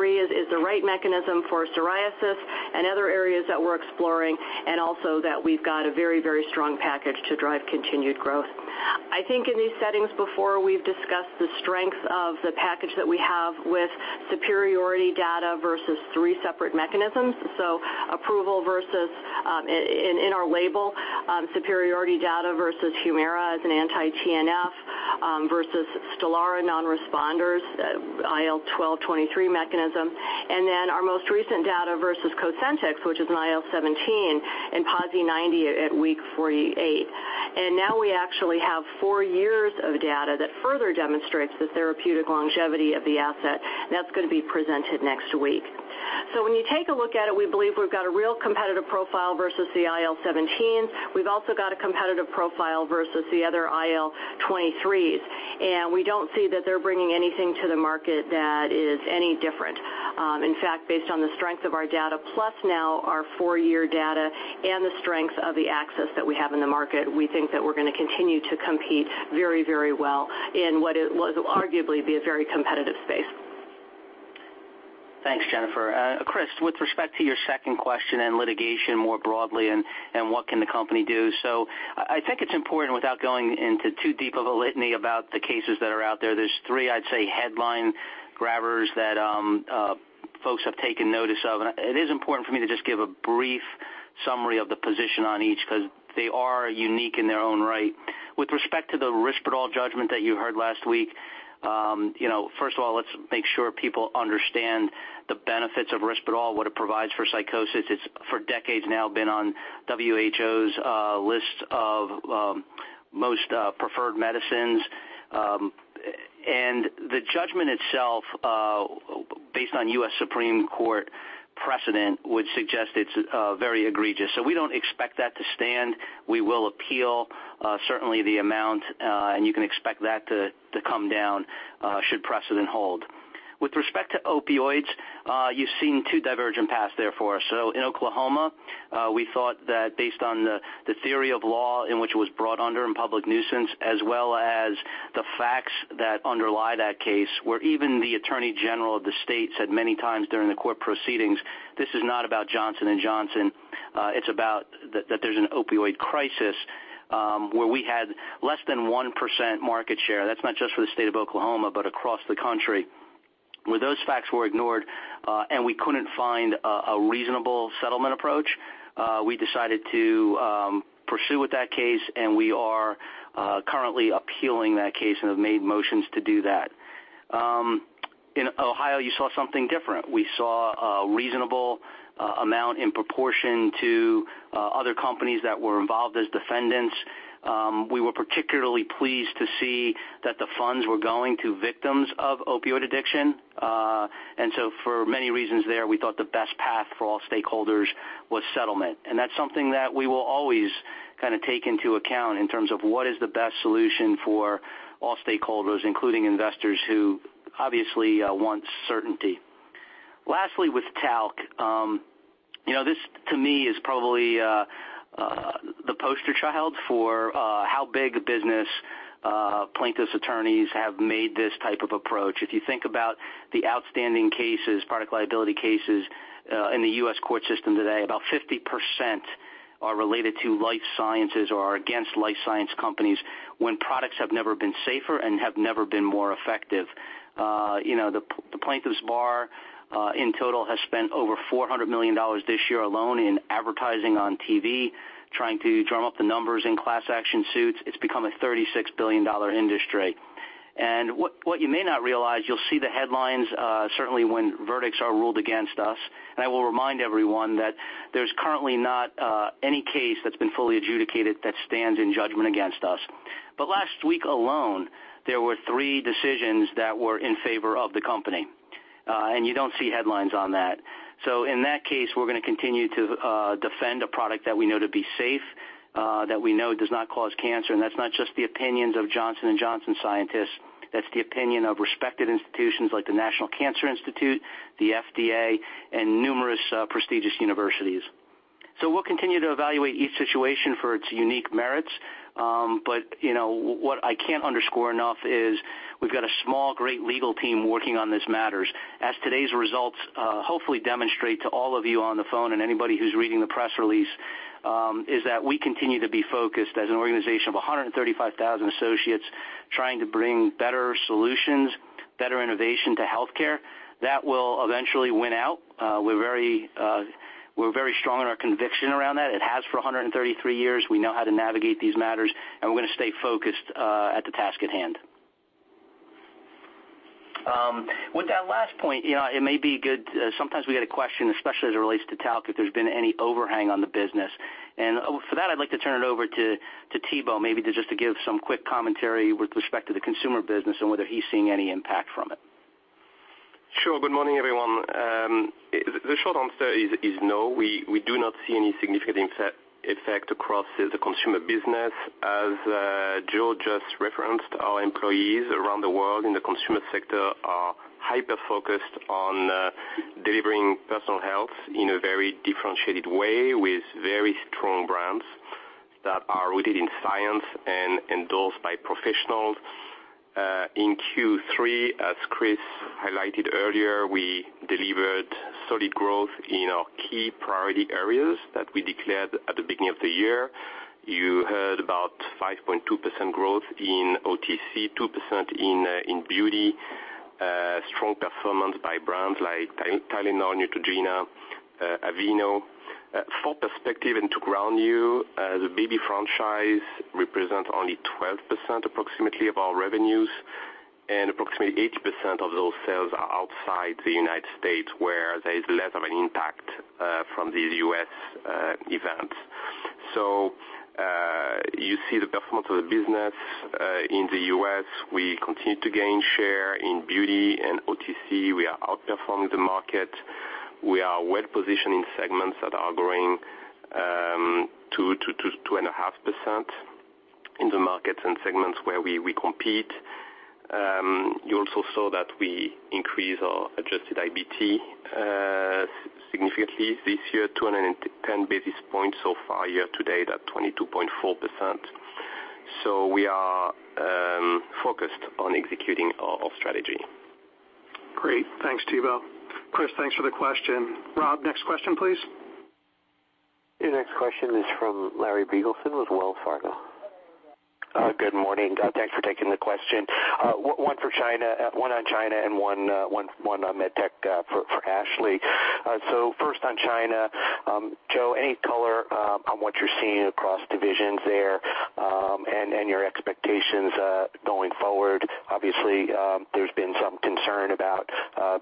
Speaker 7: IL-23 is the right mechanism for psoriasis and other areas that we're exploring, also that we've got a very, very strong package to drive continued growth. I think in these settings before, we've discussed the strength of the package that we have with superiority data versus three separate mechanisms. Approval in our label, superiority data versus HUMIRA as an anti-TNF, versus STELARA non-responders IL-12, 23 mechanism, our most recent data versus COSENTYX, which is an IL-17 in PASI 90 at week 48. Now we actually have four years of data that further demonstrates the therapeutic longevity of the asset. That's going to be presented next week. When you take a look at it, we believe we've got a real competitive profile versus the IL-17s. We've also got a competitive profile versus the other IL-23s. We don't see that they're bringing anything to the market that is any different. In fact, based on the strength of our data, plus now our four-year data and the strength of the access that we have in the market, we think that we're going to continue to compete very well in what it was arguably be a very competitive space.
Speaker 3: Thanks, Jennifer. Chris, with respect to your second question and litigation more broadly, what can the company do? I think it's important without going into too deep of a litany about the cases that are out there. There's three, I'd say, headline grabbers that folks have taken notice of. It is important for me to just give a brief summary of the position on each because they are unique in their own right. With respect to the RISPERDAL judgment that you heard last week, first of all, let's make sure people understand the benefits of RISPERDAL, what it provides for psychosis. It's for decades now been on WHO's list of most preferred medicines. The judgment itself, based on U.S. Supreme Court precedent, would suggest it's very egregious. We don't expect that to stand. We will appeal certainly the amount, and you can expect that to come down should precedent hold. With respect to opioids, you've seen two divergent paths there for us. In Oklahoma, we thought that based on the theory of law in which it was brought under in public nuisance, as well as the facts that underlie that case, where even the attorney general of the state said many times during the court proceedings, "This is not about Johnson & Johnson. It's about that there's an opioid crisis," where we had less than 1% market share. That's not just for the state of Oklahoma, but across the country. Where those facts were ignored and we couldn't find a reasonable settlement approach, we decided to pursue with that case, and we are currently appealing that case and have made motions to do that. In Ohio, you saw something different. We saw a reasonable amount in proportion to other companies that were involved as defendants. We were particularly pleased to see that the funds were going to victims of opioid addiction. For many reasons there, we thought the best path for all stakeholders was settlement. That's something that we will always kind of take into account in terms of what is the best solution for all stakeholders, including investors who obviously want certainty. Lastly, with Talc, this to me is probably the poster child for how big business plaintiffs' attorneys have made this type of approach. If you think about the outstanding cases, product liability cases in the U.S. court system today, about 50% are related to life sciences or are against life science companies when products have never been safer and have never been more effective. The plaintiffs' bar in total has spent over $400 million this year alone in advertising on TV, trying to drum up the numbers in class action suits. It's become a $36 billion industry. What you may not realize, you'll see the headlines certainly when verdicts are ruled against us. I will remind everyone that there's currently not any case that's been fully adjudicated that stands in judgment against us. Last week alone, there were three decisions that were in favor of the company. You don't see headlines on that. In that case, we're going to continue to defend a product that we know to be safe, that we know does not cause cancer. That's not just the opinions of Johnson & Johnson scientists. That's the opinion of respected institutions like the National Cancer Institute, the FDA, and numerous prestigious universities. We'll continue to evaluate each situation for its unique merits. What I can't underscore enough is we've got a small, great legal team working on these matters. As today's results hopefully demonstrate to all of you on the phone and anybody who's reading the press release, is that we continue to be focused as an organization of 135,000 associates trying to bring better solutions, better innovation to healthcare. That will eventually win out. We're very strong in our conviction around that. It has for 133 years. We know how to navigate these matters, and we're going to stay focused at the task at hand. With that last point, it may be good. Sometimes we get a question, especially as it relates to talc, if there's been any overhang on the business. For that, I'd like to turn it over to Thibaut, maybe to just to give some quick commentary with respect to the consumer business and whether he's seeing any impact from it.
Speaker 8: Sure. Good morning, everyone. The short answer is no, we do not see any significant effect across the consumer business. As Joe just referenced, our employees around the world in the consumer sector are hyper-focused on delivering personal health in a very differentiated way with very strong brands that are rooted in science and endorsed by professionals. In Q3, as Chris highlighted earlier, we delivered solid growth in our key priority areas that we declared at the beginning of the year. You heard about 5.2% growth in OTC, 2% in beauty, strong performance by brands like TYLENOL, Neutrogena, Aveeno. For perspective and to ground you, the baby franchise represents only 12% approximately of our revenues, and approximately 80% of those sales are outside the United States, where there's less of an impact from these U.S. events. You see the performance of the business in the U.S. We continue to gain share in beauty and OTC. We are outperforming the market. We are well-positioned in segments that are growing 2.5% in the markets and segments where we compete. You also saw that we increased our adjusted IBT significantly this year, 210 basis points so far year to date at 22.4%. We are focused on executing our strategy.
Speaker 2: Great. Thanks, Thibault. Chris, thanks for the question. Rob, next question, please.
Speaker 1: Your next question is from Larry Biegelsen with Wells Fargo.
Speaker 9: Good morning. Thanks for taking the question. One on China and one on MedTech for Ashley. First on China. Joe, any color on what you're seeing across divisions there and your expectations going forward? Obviously, there's been some concern about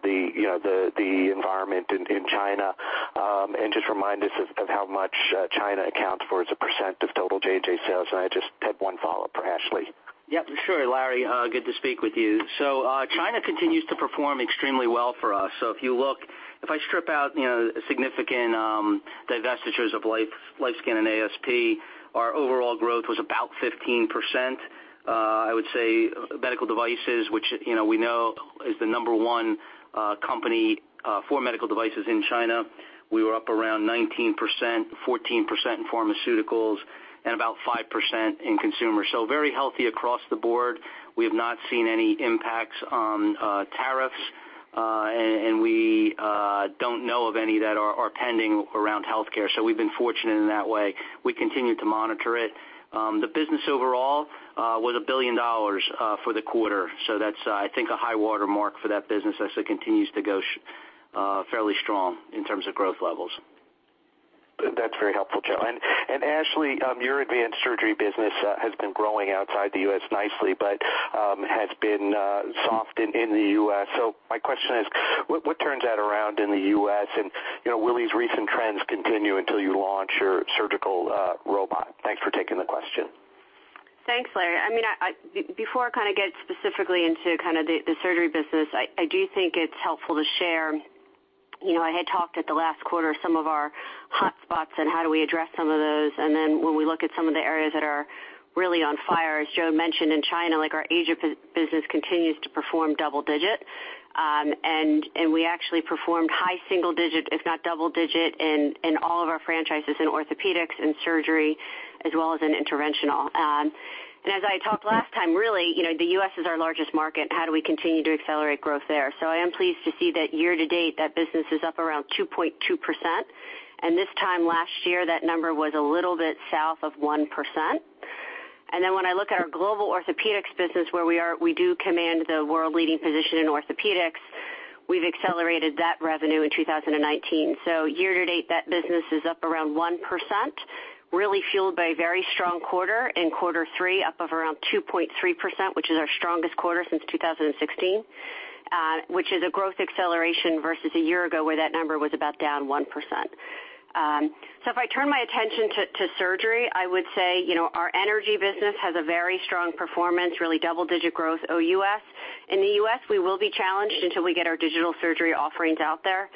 Speaker 9: the environment in China. Just remind us of how much China accounts for as a % of total J.J. sales. I just had one follow-up for Ashley.
Speaker 3: Yep, sure, Larry. Good to speak with you. China continues to perform extremely well for us. If you look, if I strip out significant divestitures of LifeScan and ASP, our overall growth was about 15%. I would say medical devices, which we know is the number 1 company for medical devices in China, we were up around 19%, 14% in pharmaceuticals, and about 5% in consumer. Very healthy across the board. We have not seen any impacts on tariffs, and we don't know of any that are pending around healthcare. We've been fortunate in that way. We continue to monitor it. The business overall was $1 billion for the quarter. That's, I think, a high watermark for that business as it continues to go fairly strong in terms of growth levels.
Speaker 9: That's very helpful, Joe. Ashley, your advanced surgery business has been growing outside the U.S. nicely, but has been soft in the U.S. My question is, what turns that around in the U.S., and will these recent trends continue until you launch your surgical robot? Thanks for taking the question.
Speaker 5: Thanks, Larry. Before I get specifically into the surgery business, I do think it's helpful to share. I had talked at the last quarter some of our hot spots and how do we address some of those, and then when we look at some of the areas that are really on fire, as Joe mentioned in China, our Asia business continues to perform double digit. We actually performed high single digit, if not double digit in all of our franchises in orthopedics and surgery, as well as in interventional. As I talked last time, really, the U.S. is our largest market. How do we continue to accelerate growth there? I am pleased to see that year to date, that business is up around 2.2%. This time last year, that number was a little bit south of 1%. When I look at our global orthopaedics business, where we do command the world leading position in orthopaedics, we've accelerated that revenue in 2019. Year to date, that business is up around 1%, really fueled by a very strong quarter in quarter three, up of around 2.3%, which is our strongest quarter since 2016, which is a growth acceleration versus a year ago where that number was about down 1%. If I turn my attention to surgery, I would say, our energy business has a very strong performance, really double-digit growth OUS. In the U.S., we will be challenged until we get our digital surgery offerings out there.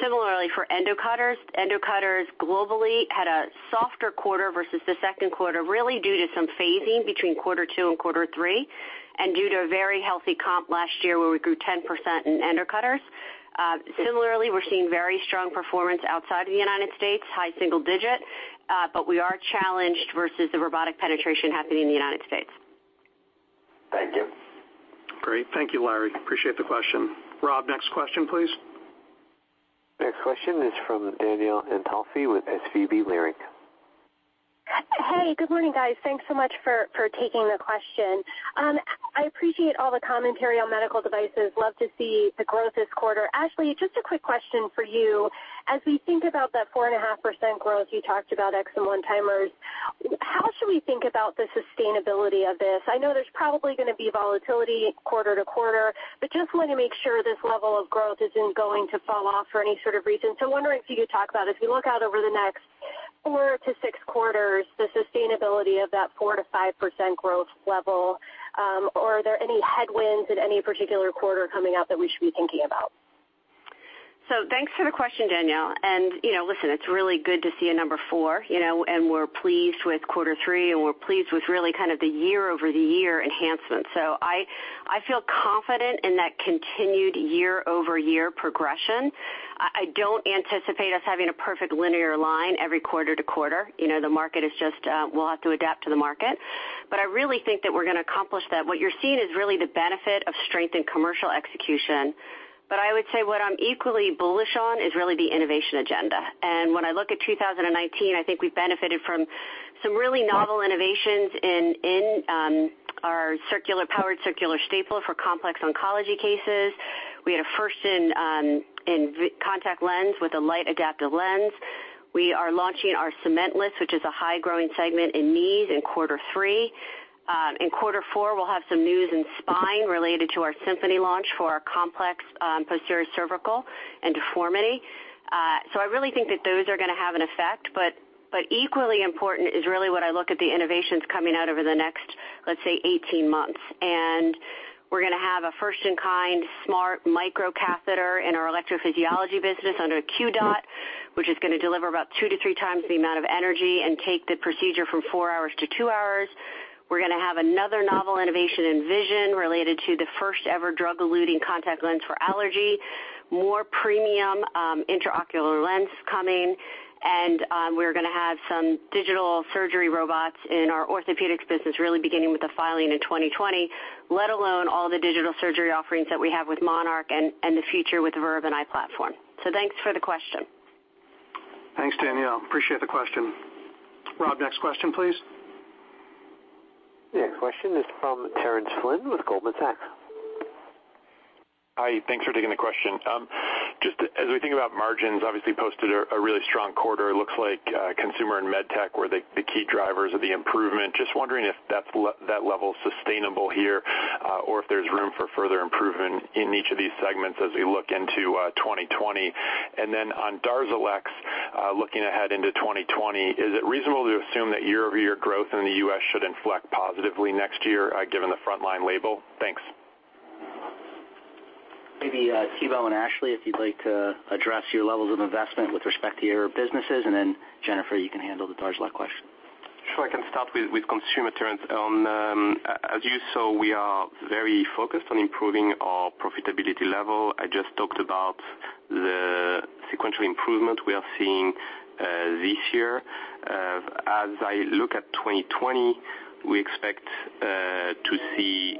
Speaker 5: Similarly for endo cutters, endo cutters globally had a softer quarter versus the second quarter, really due to some phasing between quarter 2 and quarter 3, and due to a very healthy comp last year where we grew 10% in endo cutters. Similarly, we're seeing very strong performance outside of the U.S., high single digit. We are challenged versus the robotic penetration happening in the U.S. Thank you.
Speaker 2: Great. Thank you, Larry. Appreciate the question. Rob, next question, please.
Speaker 1: Next question is from Danielle Antalffy with SVB Leerink.
Speaker 10: Hey, good morning, guys. Thanks so much for taking the question. I appreciate all the commentary on medical devices. Love to see the growth this quarter. Ashley, just a quick question for you. As we think about that 4.5% growth you talked about ex some one-timers, how should we think about the sustainability of this? I know there's probably going to be volatility quarter-to-quarter, but just want to make sure this level of growth isn't going to fall off for any sort of reason. Wondering if you could talk about, as we look out over the next four to six quarters, the sustainability of that 4%-5% growth level, or are there any headwinds in any particular quarter coming up that we should be thinking about?
Speaker 5: Thanks for the question, Danielle. Listen, it's really good to see a number 4, and we're pleased with quarter three, and we're pleased with really kind of the year-over-year enhancements. I feel confident in that continued year-over-year progression. I don't anticipate us having a perfect linear line every quarter-to-quarter. We'll have to adapt to the market. I really think that we're going to accomplish that. What you're seeing is really the benefit of strength in commercial execution. I would say what I'm equally bullish on is really the innovation agenda. When I look at 2019, I think we benefited from some really novel innovations in our powered circular staple for complex oncology cases. We had a first in contact lens with a light adaptive lens. We are launching our cementless, which is a high growing segment in knees in quarter three. In quarter four, we'll have some news in spine related to our SYMPHONY launch for our complex posterior cervical and deformity. I really think that those are going to have an effect, but equally important is really when I look at the innovations coming out over the next, let's say, 18 months. We're going to have a first-in-kind smart microcatheter in our electrophysiology business under QDOT, which is going to deliver about two to three times the amount of energy and take the procedure from four hours to two hours. We're going to have another novel innovation in vision related to the first ever drug-eluting contact lens for allergy, more premium intraocular lens coming, and we're going to have some digital surgery robots in our orthopedics business, really beginning with the filing in 2020, let alone all the digital surgery offerings that we have with MONARCH and the future with Verb and iPlatform. Thanks for the question.
Speaker 2: Thanks, Danielle. Appreciate the question. Rob, next question, please.
Speaker 1: Next question is from Terence Flynn with Goldman Sachs.
Speaker 11: Hi, thanks for taking the question. Just as we think about margins, obviously posted a really strong quarter. It looks like consumer and MedTech were the key drivers of the improvement. Just wondering if that level is sustainable here, or if there's room for further improvement in each of these segments as we look into 2020. On DARZALEX, looking ahead into 2020, is it reasonable to assume that year-over-year growth in the U.S. should inflect positively next year, given the frontline label? Thanks.
Speaker 3: Maybe Thibaut and Ashley, if you'd like to address your levels of investment with respect to your businesses, and then Jennifer, you can handle the DARZALEX question.
Speaker 8: Sure. I can start with consumer trends. As you saw, we are very focused on improving our profitability level. I just talked about the sequential improvement we are seeing this year. As I look at 2020, we expect to see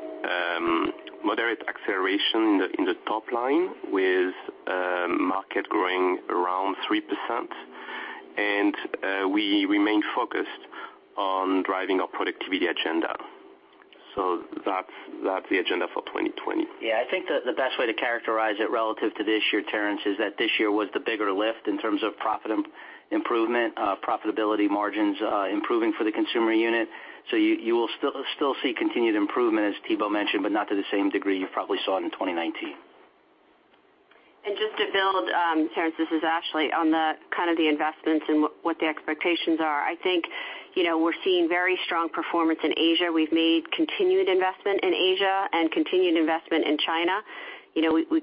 Speaker 8: moderate acceleration in the top line with market growing around 3%. We remain focused on driving our productivity agenda. That's the agenda for 2020.
Speaker 3: I think the best way to characterize it relative to this year, Terence, is that this year was the bigger lift in terms of profit improvement, profitability margins improving for the Consumer unit. You will still see continued improvement, as Thibaut mentioned, but not to the same degree you probably saw it in 2019.
Speaker 5: Just to build, Terence, this is Ashley, on the kind of the investments and what the expectations are. I think, we're seeing very strong performance in Asia. We've made continued investment in Asia and continued investment in China. We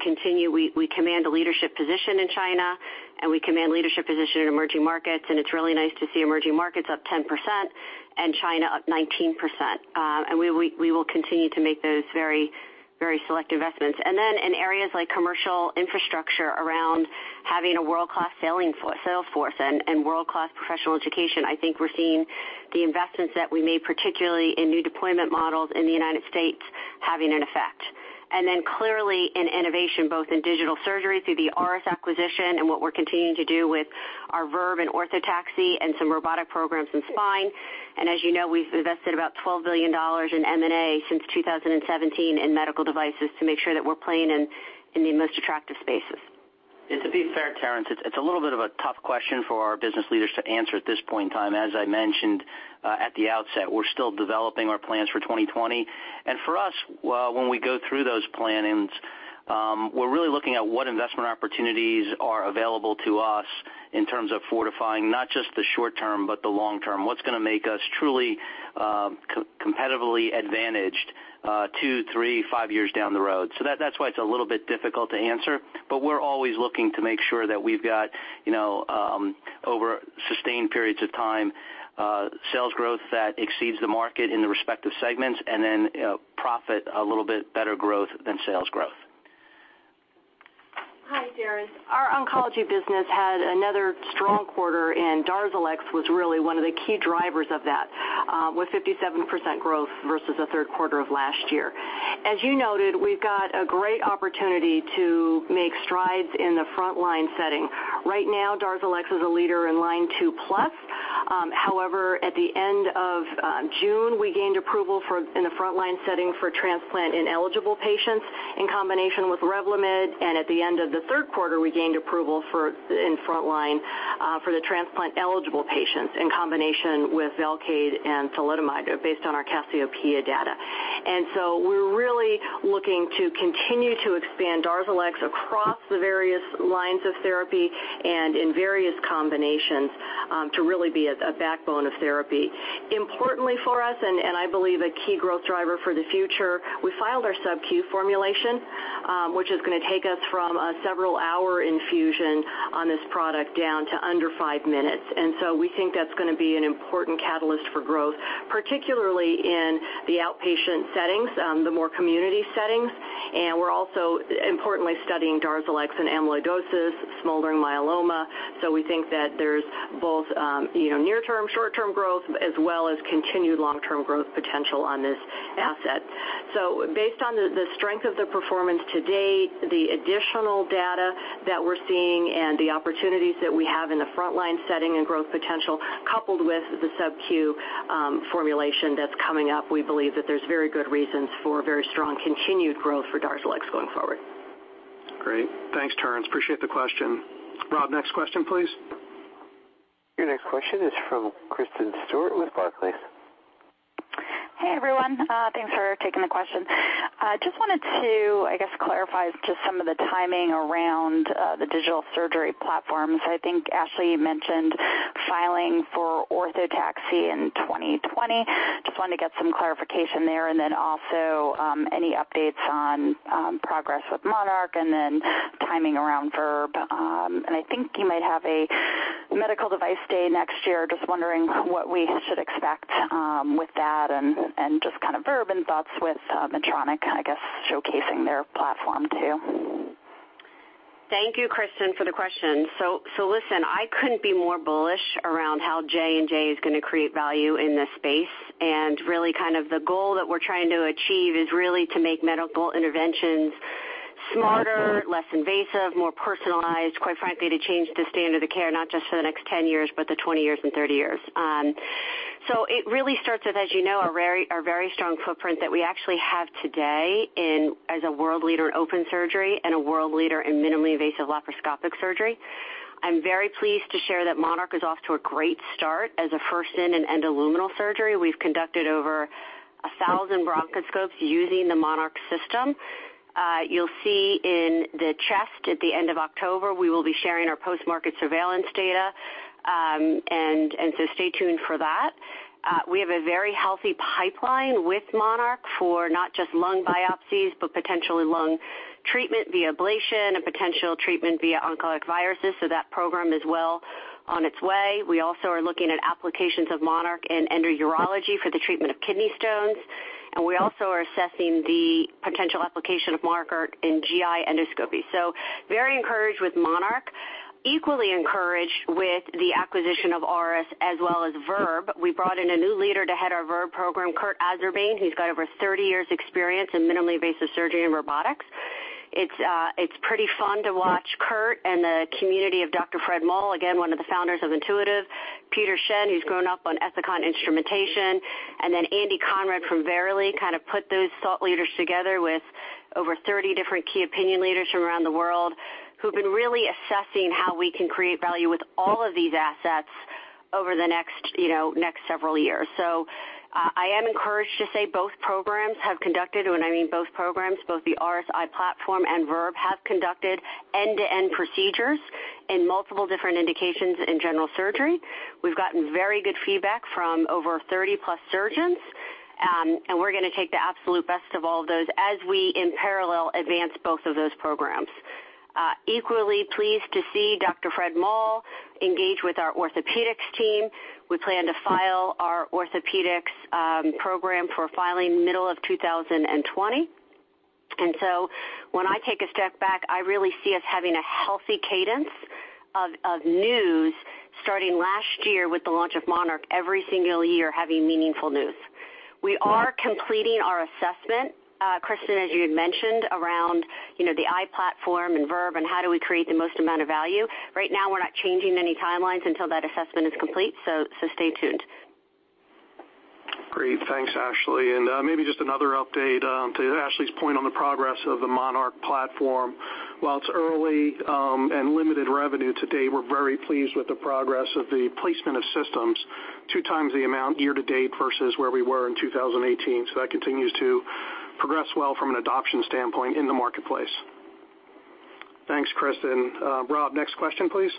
Speaker 5: command a leadership position in China, and we command leadership position in emerging markets, and it's really nice to see emerging markets up 10% and China up 19%. We will continue to make those very select investments. In areas like commercial infrastructure around having a world-class sales force and world-class professional education, I think we're seeing the investments that we made, particularly in new deployment models in the U.S., having an effect. Clearly in innovation, both in digital surgery through the Auris acquisition and what we're continuing to do with our Verb and Orthotaxy and some robotic programs in spine. As you know, we've invested about $12 billion in M&A since 2017 in medical devices to make sure that we're playing in the most attractive spaces.
Speaker 3: To be fair, Terence, it's a little bit of a tough question for our business leaders to answer at this point in time. As I mentioned at the outset, we're still developing our plans for 2020. For us, when we go through those planningsWe're really looking at what investment opportunities are available to us in terms of fortifying not just the short term, but the long term. What's going to make us truly competitively advantaged two, three, five years down the road? That's why it's a little bit difficult to answer, but we're always looking to make sure that we've got, over sustained periods of time, sales growth that exceeds the market in the respective segments and then profit a little bit better growth than sales growth.
Speaker 7: Hi, Terence. Our oncology business had another strong quarter. DARZALEX was really one of the key drivers of that with 57% growth versus the third quarter of last year. As you noted, we've got a great opportunity to make strides in the frontline setting. Right now, DARZALEX is a leader in line 2 plus. However, at the end of June, we gained approval in the frontline setting for transplant in eligible patients in combination with REVLIMID. At the end of the third quarter, we gained approval in frontline for the transplant-eligible patients in combination with VELCADE and thalidomide based on our CASSIOPEIA data. We're really looking to continue to expand DARZALEX across the various lines of therapy and in various combinations to really be a backbone of therapy. Importantly for us, I believe a key growth driver for the future, we filed our subcu formulation, which is going to take us from a several-hour infusion on this product down to under five minutes. We think that's going to be an important catalyst for growth, particularly in the outpatient settings, the more community settings. We're also importantly studying DARZALEX in amyloidosis, smoldering myeloma. We think that there's both near-term, short-term growth as well as continued long-term growth potential on this asset. Based on the strength of the performance to date, the additional data that we're seeing, and the opportunities that we have in the frontline setting and growth potential, coupled with the subcu formulation that's coming up, we believe that there's very good reasons for very strong continued growth for DARZALEX going forward.
Speaker 2: Great. Thanks, Terence. Appreciate the question. Rob, next question, please.
Speaker 1: Your next question is from Kristen Stewart with Barclays.
Speaker 12: Hey, everyone. Thanks for taking the question. Just wanted to, I guess, clarify just some of the timing around the digital surgery platforms. I think, Ashley, you mentioned filing for Orthotaxy in 2020. Just wanted to get some clarification there, and then also any updates on progress with MONARCH and then timing around Verb. I think you might have a medical device day next year. Just wondering what we should expect with that and just kind of Verb and thoughts with Medtronic, I guess, showcasing their platform, too.
Speaker 5: Thank you, Kristen, for the question. Listen, I couldn't be more bullish around how J&J is going to create value in this space. Really, kind of the goal that we're trying to achieve is really to make medical interventions smarter, less invasive, more personalized, quite frankly, to change the standard of care, not just for the next 10 years, but the 20 years and 30 years. It really starts with, as you know, our very strong footprint that we actually have today as a world leader in open surgery and a world leader in minimally invasive laparoscopic surgery. I'm very pleased to share that MONARCH is off to a great start as a first-in endoluminal surgery. We've conducted over 1,000 bronchoscopes using the MONARCH system. You'll see in the deck at the end of October, we will be sharing our post-market surveillance data. Stay tuned for that. We have a very healthy pipeline with MONARCH for not just lung biopsies, but potentially lung treatment via ablation and potential treatment via oncolytic viruses. That program is well on its way. We also are looking at applications of MONARCH in endourology for the treatment of kidney stones, and we also are assessing the potential application of MONARCH in GI endoscopy. Very encouraged with MONARCH. Equally encouraged with the acquisition of Auris as well as Verb. We brought in a new leader to head our Verb program, Kurt Azarbarzin, who's got over 30 years experience in minimally invasive surgery and robotics. It's pretty fun to watch Kurt and the community of Dr. Fred Moll, again, one of the founders of Intuitive Surgical, Peter Shen, who's grown up on Ethicon Instrumentation, and then Andy Conrad from Verily kind of put those thought leaders together with over 30 different key opinion leaders from around the world who've been really assessing how we can create value with all of these assets over the next several years. I am encouraged to say both programs have conducted, when I mean both programs, both the RSI platform and Verb Surgical have conducted end-to-end procedures in multiple different indications in general surgery. We've gotten very good feedback from over 30 plus surgeons. We're going to take the absolute best of all of those as we in parallel advance both of those programs. Equally pleased to see Dr. Fred Moll engage with our orthopedics team. We plan to file our orthopedics program for filing middle of 2020. When I take a step back, I really see us having a healthy cadence of news starting last year with the launch of MONARCH every single year having meaningful news. We are completing our assessment, Kristin, as you had mentioned, around the iPlatform and Verb and how do we create the most amount of value. Right now, we're not changing any timelines until that assessment is complete, so stay tuned.
Speaker 3: Great. Thanks, Ashley. Maybe just another update to Ashley's point on the progress of the MONARCH platform.
Speaker 2: While it's early and limited revenue to date, we're very pleased with the progress of the placement of systems, 2 times the amount year-to-date versus where we were in 2018. That continues to progress well from an adoption standpoint in the marketplace. Thanks, Kristen. Rob, next question, please.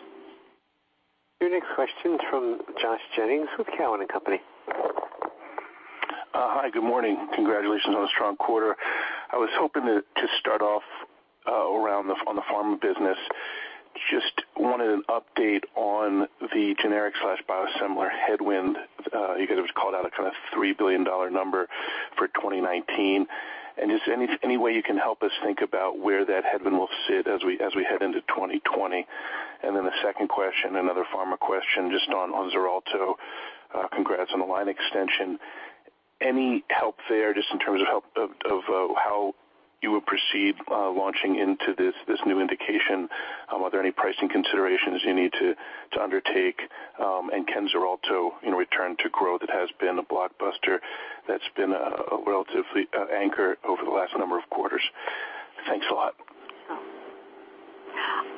Speaker 1: Your next question from Josh Jennings with Cowen and Company.
Speaker 13: Hi. Good morning. Congratulations on a strong quarter. I was hoping to start off around on the pharma business. I just wanted an update on the generic/biosimilar headwind. You guys called out a kind of $3 billion number for 2019. Just any way you can help us think about where that headwind will sit as we head into 2020? The second question, another pharma question, just on XARELTO. Congrats on the line extension. Any help there, just in terms of how you would proceed launching into this new indication? Are there any pricing considerations you need to undertake? Can XARELTO return to growth? It has been a blockbuster that's been a relatively anchor over the last number of quarters. Thanks a lot.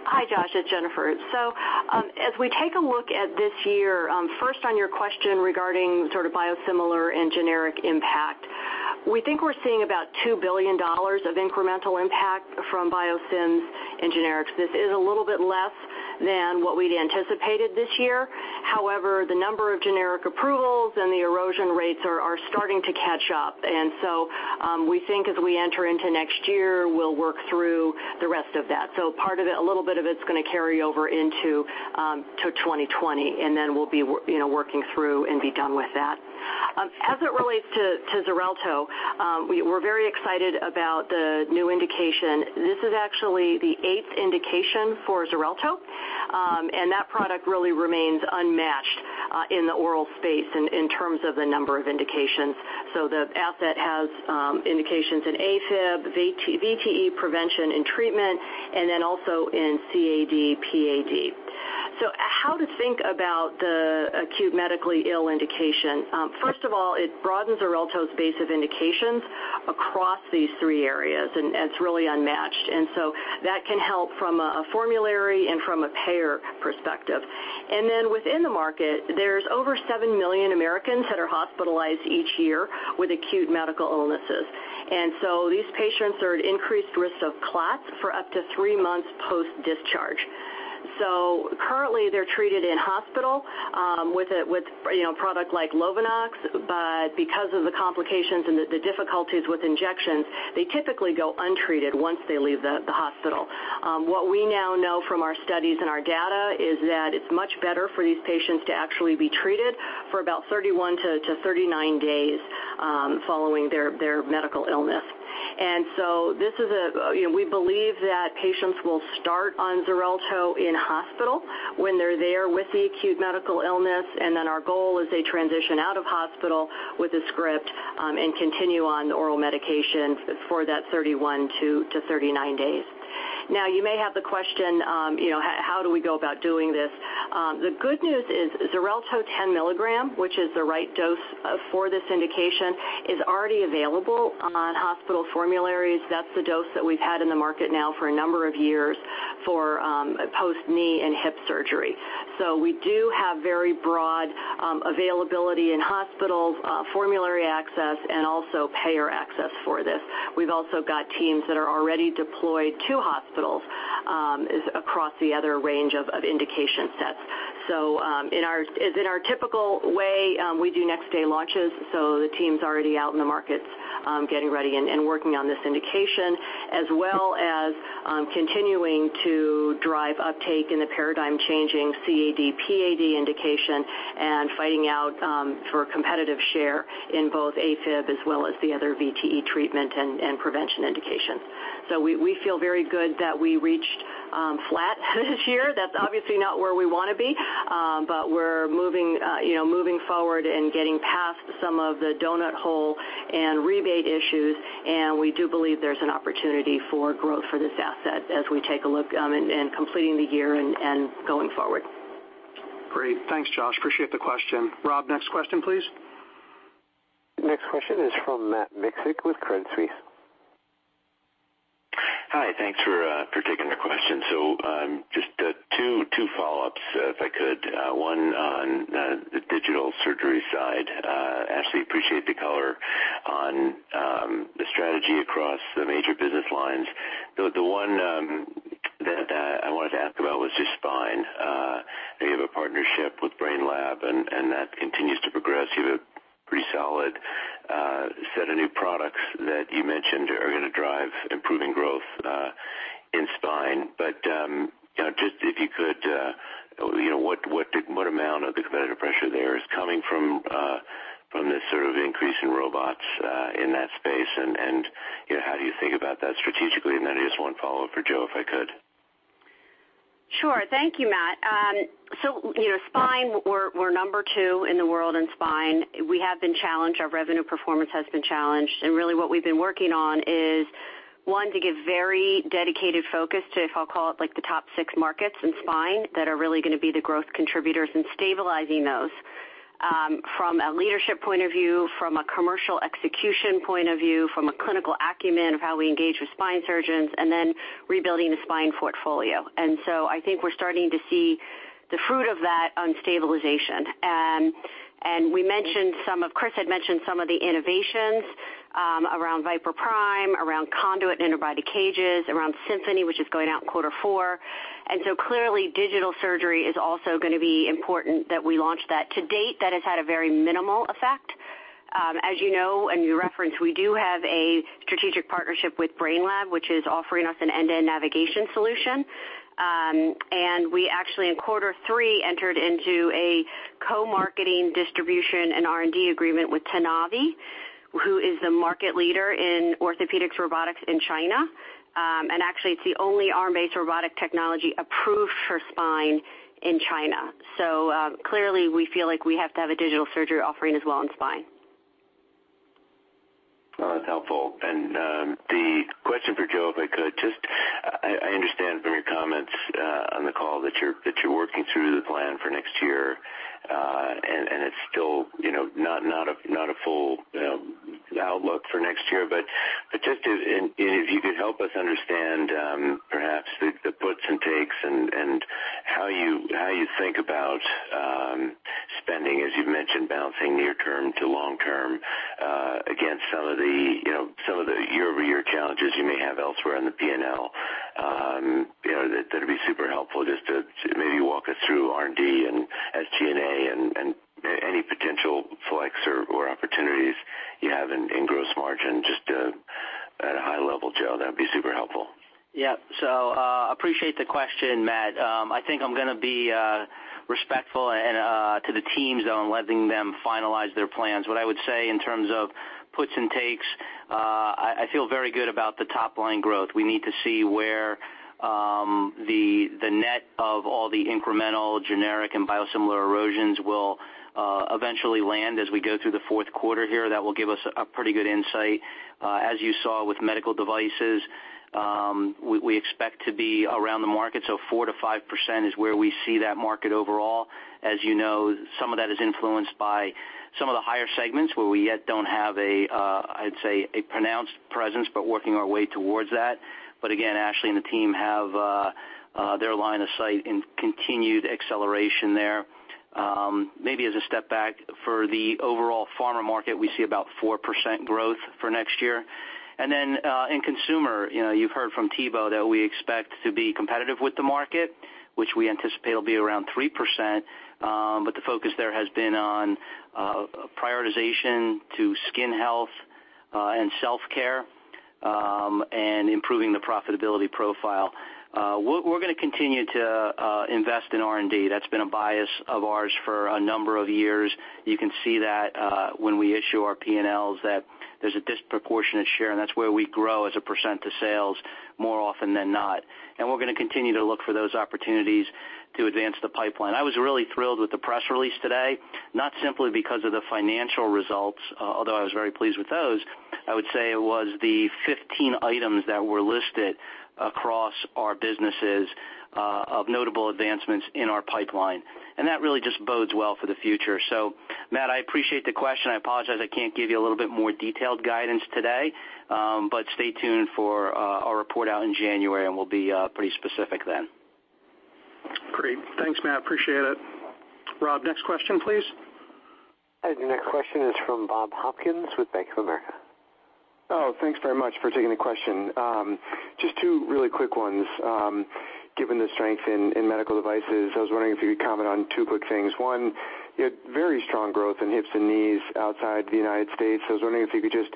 Speaker 7: Hi, Josh, it's Jennifer. As we take a look at this year, first on your question regarding sort of biosimilar and generic impact. We think we're seeing about $2 billion of incremental impact from biosims and generics. This is a little bit less than what we'd anticipated this year. The number of generic approvals and the erosion rates are starting to catch up. We think as we enter into next year, we'll work through the rest of that. A little bit of it's going to carry over into 2020, we'll be working through and be done with that. As it relates to Xarelto, we're very excited about the new indication. This is actually the eighth indication for Xarelto, that product really remains unmatched in the oral space in terms of the number of indications. The asset has indications in AFib, VTE prevention and treatment, and then also in CAD/PAD. How to think about the acute medically ill indication. First of all, it broadens Xarelto's base of indications across these three areas, and it's really unmatched. That can help from a formulary and from a payer perspective. Within the market, there's over seven million Americans that are hospitalized each year with acute medical illnesses. These patients are at increased risk of clots for up to three months post-discharge. Currently, they're treated in hospital with a product like Lovenox. Because of the complications and the difficulties with injections, they typically go untreated once they leave the hospital. What we now know from our studies and our data is that it's much better for these patients to actually be treated for about 31 to 39 days following their medical illness. We believe that patients will start on Xarelto in hospital when they're there with the acute medical illness, then our goal is they transition out of hospital with a script and continue on oral medication for that 31 to 39 days. You may have the question, how do we go about doing this? The good news is Xarelto 10 mg, which is the right dose for this indication, is already available on hospital formularies. That's the dose that we've had in the market now for a number of years for post knee and hip surgery. We do have very broad availability in hospitals, formulary access, and also payer access for this. We've also got teams that are already deployed to hospitals across the other range of indication sets. As in our typical way, we do next day launches, so the team's already out in the markets getting ready and working on this indication, as well as continuing to drive uptake in the paradigm changing CAD/PAD indication and fighting out for competitive share in both AFib as well as the other VTE treatment and prevention indication. We feel very good that we reached flat this year. That's obviously not where we want to be. We're moving forward and getting past some of the donut hole and rebate issues, and we do believe there's an opportunity for growth for this asset as we take a look and completing the year and going forward.
Speaker 2: Great. Thanks, Josh, appreciate the question. Rob, next question, please.
Speaker 1: Next question is from Matt Miksic with Credit Suisse.
Speaker 14: Hi. Thanks for taking the question. Just two follow-ups, if I could. One on the digital surgery side. Ashley, appreciate the color on the strategy across the major business lines. The one that I wanted to ask about was just spine. You have a partnership with Brainlab. That continues to progress. You have a pretty solid set of new products that you mentioned are going to drive improving growth in spine. Just if you could, what amount of the competitive pressure there is coming from this sort of increase in robots in that space? How do you think about that strategically? Just one follow-up for Joe, if I could.
Speaker 5: Thank you, Matt. Spine, we're number two in the world in spine. We have been challenged. Our revenue performance has been challenged. Really what we've been working on is, one, to give very dedicated focus to, if I'll call it like the top six markets in spine that are really going to be the growth contributors and stabilizing those. From a leadership point of view, from a commercial execution point of view, from a clinical acumen of how we engage with spine surgeons, and then rebuilding the spine portfolio. I think we're starting to see the fruit of that on stabilization. Chris had mentioned some of the innovations around VIPER PRIME, around CONDUIT interbody cages, around SYMPHONY, which is going out in quarter four. Clearly, digital surgery is also going to be important that we launch that. To date, that has had a very minimal effect. As you know and you referenced, we do have a strategic partnership with Brainlab, which is offering us an end-to-end navigation solution. We actually, in quarter three, entered into a co-marketing distribution and R&D agreement with TINAVI, who is the market leader in orthopedics robotics in China. Actually, it's the only arm-based robotic technology approved for spine in China. Clearly, we feel like we have to have a digital surgery offering as well in spine.
Speaker 14: That's helpful. The question for Joe, if I could, just I understand from your comments on the call that you're working through the plan for next year, and it's still not a full outlook for next year. Just if you could help us understand perhaps the puts and takes and how you think about spending, as you've mentioned, balancing near term to long term against some of the year-over-year challenges you may have elsewhere on the P&L. That'd be super helpful just to maybe walk us through R&D and SG&A and any potential flex or opportunities you have in gross margin, just at a high level, Joe. That'd be super helpful.
Speaker 3: Appreciate the question, Matt. I think I'm going to be respectful to the teams, though, on letting them finalize their plans. What I would say in terms of puts and takes, I feel very good about the top-line growth. We need to see where the net of all the incremental generic and biosimilar erosions will eventually land as we go through the fourth quarter here. That will give us a pretty good insight. As you saw with Medical Devices, we expect to be around the market, so 4%-5% is where we see that market overall. As you know, some of that is influenced by some of the higher segments where we yet don't have a, I'd say, a pronounced presence, but working our way towards that. Again, Ashley McEvoy and the team have their line of sight in continued acceleration there. Maybe as a step back for the overall Pharma market, we see about 4% growth for next year. In Consumer, you've heard from Thibaut that we expect to be competitive with the market, which we anticipate will be around 3%. The focus there has been on prioritization to skin health and self-care, and improving the profitability profile. We're going to continue to invest in R&D. That's been a bias of ours for a number of years. You can see that when we issue our P&Ls, that there's a disproportionate share, and that's where we grow as a % of sales more often than not. We're going to continue to look for those opportunities to advance the pipeline. I was really thrilled with the press release today, not simply because of the financial results, although I was very pleased with those. I would say it was the 15 items that were listed across our businesses of notable advancements in our pipeline. That really just bodes well for the future. Matt, I appreciate the question. I apologize I can't give you a little bit more detailed guidance today. Stay tuned for our report out in January. We'll be pretty specific then.
Speaker 2: Great. Thanks, Matt, appreciate it. Rob, next question, please.
Speaker 1: The next question is from Bob Hopkins with Bank of America.
Speaker 15: Thanks very much for taking the question. Just two really quick ones. Given the strength in medical devices, I was wondering if you could comment on two quick things. One, you had very strong growth in hips and knees outside the U.S. I was wondering if you could just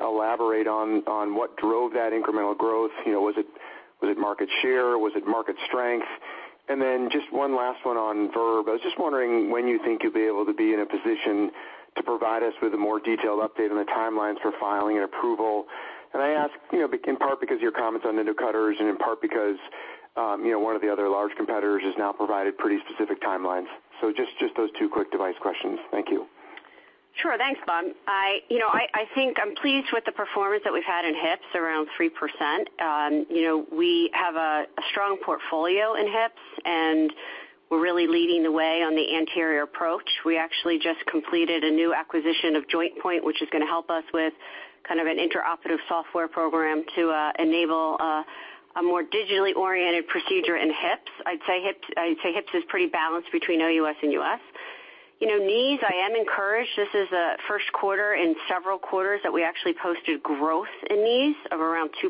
Speaker 15: elaborate on what drove that incremental growth. Was it market share? Was it market strength? Just one last one on Verb. I was just wondering when you think you'll be able to be in a position to provide us with a more detailed update on the timelines for filing and approval. I ask in part because your comments on the endo cutters and in part because one of the other large competitors has now provided pretty specific timelines. Just those two quick device questions. Thank you.
Speaker 5: Sure. Thanks, Bob. I think I'm pleased with the performance that we've had in hips, around 3%. We have a strong portfolio in hips, and we're really leading the way on the anterior approach. We actually just completed a new acquisition of JointPoint, which is going to help us with kind of an intraoperative software program to enable a more digitally oriented procedure in hips. I'd say hips is pretty balanced between OUS and U.S. Knees, I am encouraged. This is the first quarter in several quarters that we actually posted growth in knees of around 2%,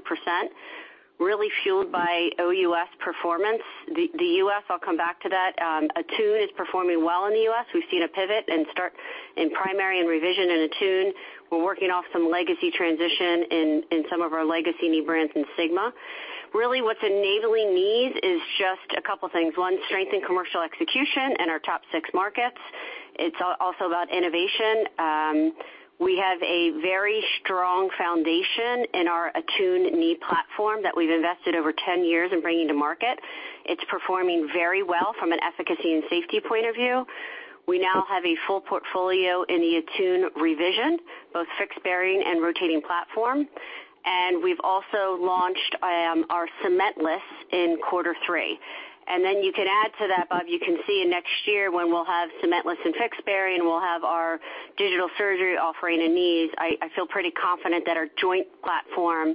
Speaker 5: really fueled by OUS performance. The U.S., I'll come back to that. ATTUNE is performing well in the U.S. We've seen a pivot in primary and revision in ATTUNE. We're working off some legacy transition in some of our legacy knee brands in SIGMA. Really what's enabling knees is just a couple things. One, strength in commercial execution in our top six markets. It's also about innovation. We have a very strong foundation in our ATTUNE knee platform that we've invested over 10 years in bringing to market. It's performing very well from an efficacy and safety point of view. We now have a full portfolio in the ATTUNE Revision, both fixed bearing and rotating platform. We've also launched our cementless in quarter three. You can add to that, Bob, you can see next year when we'll have cementless in fixed bearing, we'll have our digital surgery offering in knees. I feel pretty confident that our joint platform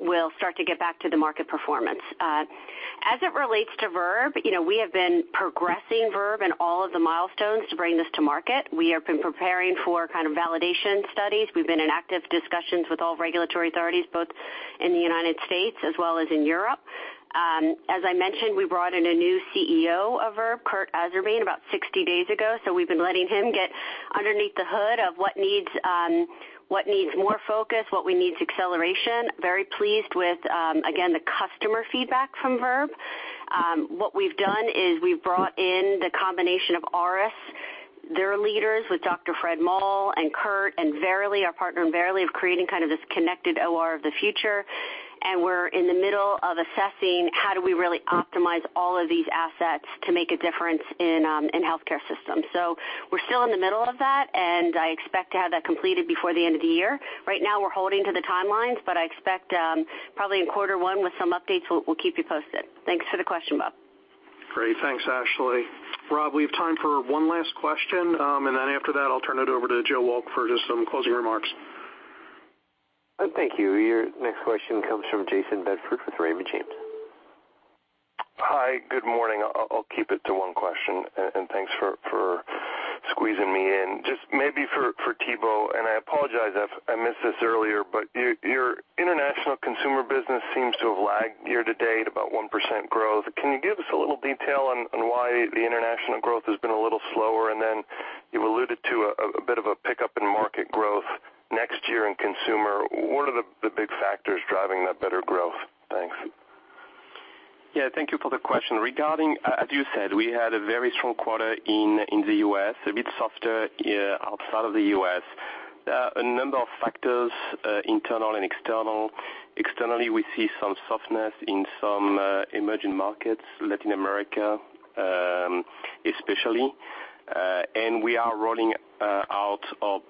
Speaker 5: will start to get back to the market performance. As it relates to Verb, we have been progressing Verb in all of the milestones to bring this to market. We have been preparing for kind of validation studies. We've been in active discussions with all regulatory authorities, both in the United States as well as in Europe. As I mentioned, we brought in a new CEO of Verb, Kurt Azarbarzin, about 60 days ago. We've been letting him get underneath the hood of what needs more focus, what needs acceleration. Very pleased with, again, the customer feedback from Verb. What we've done is we've brought in the combination of Auris, their leaders with Dr. Fred Moll and Kurt, and Verily, our partner in Verily, of creating kind of this connected OR of the future. We're in the middle of assessing how do we really optimize all of these assets to make a difference in healthcare systems. We're still in the middle of that, and I expect to have that completed before the end of the year. Right now, we're holding to the timelines, but I expect probably in quarter one with some updates, we'll keep you posted. Thanks for the question, Bob.
Speaker 2: Great. Thanks, Ashley. Rob, we have time for one last question. After that, I'll turn it over to Joseph Wolk for just some closing remarks.
Speaker 1: Thank you. Your next question comes from Jayson Bedford with Raymond James.
Speaker 16: Hi, good morning. I'll keep it to one question. Thanks for squeezing me in. Maybe for Thibaut, I apologize if I missed this earlier, your international consumer business seems to have lagged year to date about 1% growth. Can you give us a little detail on why the international growth has been a little slower? You alluded to a bit of a pickup in market growth next year in consumer. What are the big factors driving that better growth? Thanks.
Speaker 8: Yeah, thank you for the question. Regarding, as you said, we had a very strong quarter in the U.S., a bit softer outside of the U.S. There are a number of factors, internal and external. Externally, we see some softness in some emerging markets, Latin America especially. We are rolling out our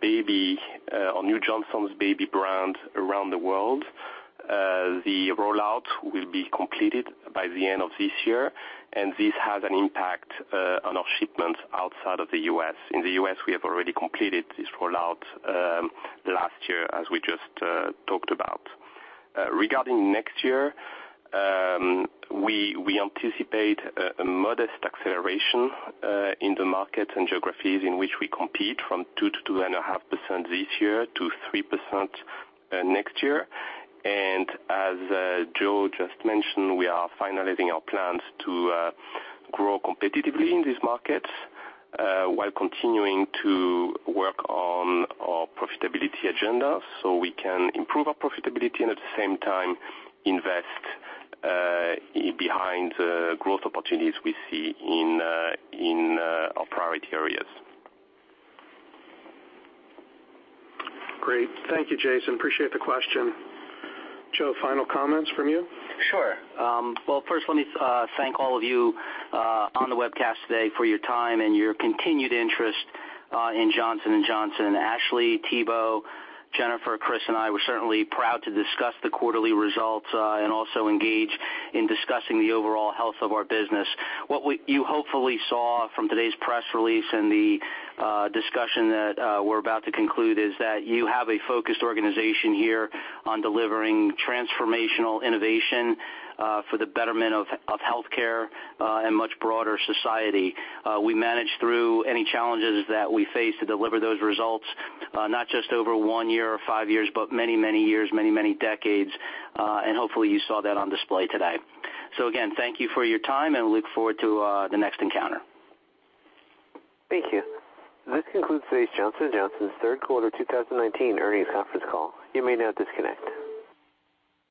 Speaker 8: new Johnson's Baby brand around the world. The rollout will be completed by the end of this year, and this has an impact on our shipments outside of the U.S. In the U.S., we have already completed this rollout last year, as we just talked about. Regarding next year, we anticipate a modest acceleration in the markets and geographies in which we compete from 2%-2.5% this year to 3% next year. As Joe just mentioned, we are finalizing our plans to grow competitively in these markets while continuing to work on our profitability agenda so we can improve our profitability and at the same time invest behind growth opportunities we see in our priority areas.
Speaker 2: Great. Thank you, Jason. Appreciate the question. Joe, final comments from you?
Speaker 3: Sure. Well, first, let me thank all of you on the webcast today for your time and your continued interest in Johnson & Johnson. Ashley, Thibault, Jennifer, Chris, and I were certainly proud to discuss the quarterly results and also engage in discussing the overall health of our business. What you hopefully saw from today's press release and the discussion that we're about to conclude is that you have a focused organization here on delivering transformational innovation for the betterment of healthcare and much broader society. We manage through any challenges that we face to deliver those results, not just over one year or five years, but many, many years, many, many decades, and hopefully you saw that on display today. Again, thank you for your time, and we look forward to the next encounter.
Speaker 1: Thank you. This concludes today's Johnson & Johnson third quarter 2019 earnings conference call. You may now disconnect.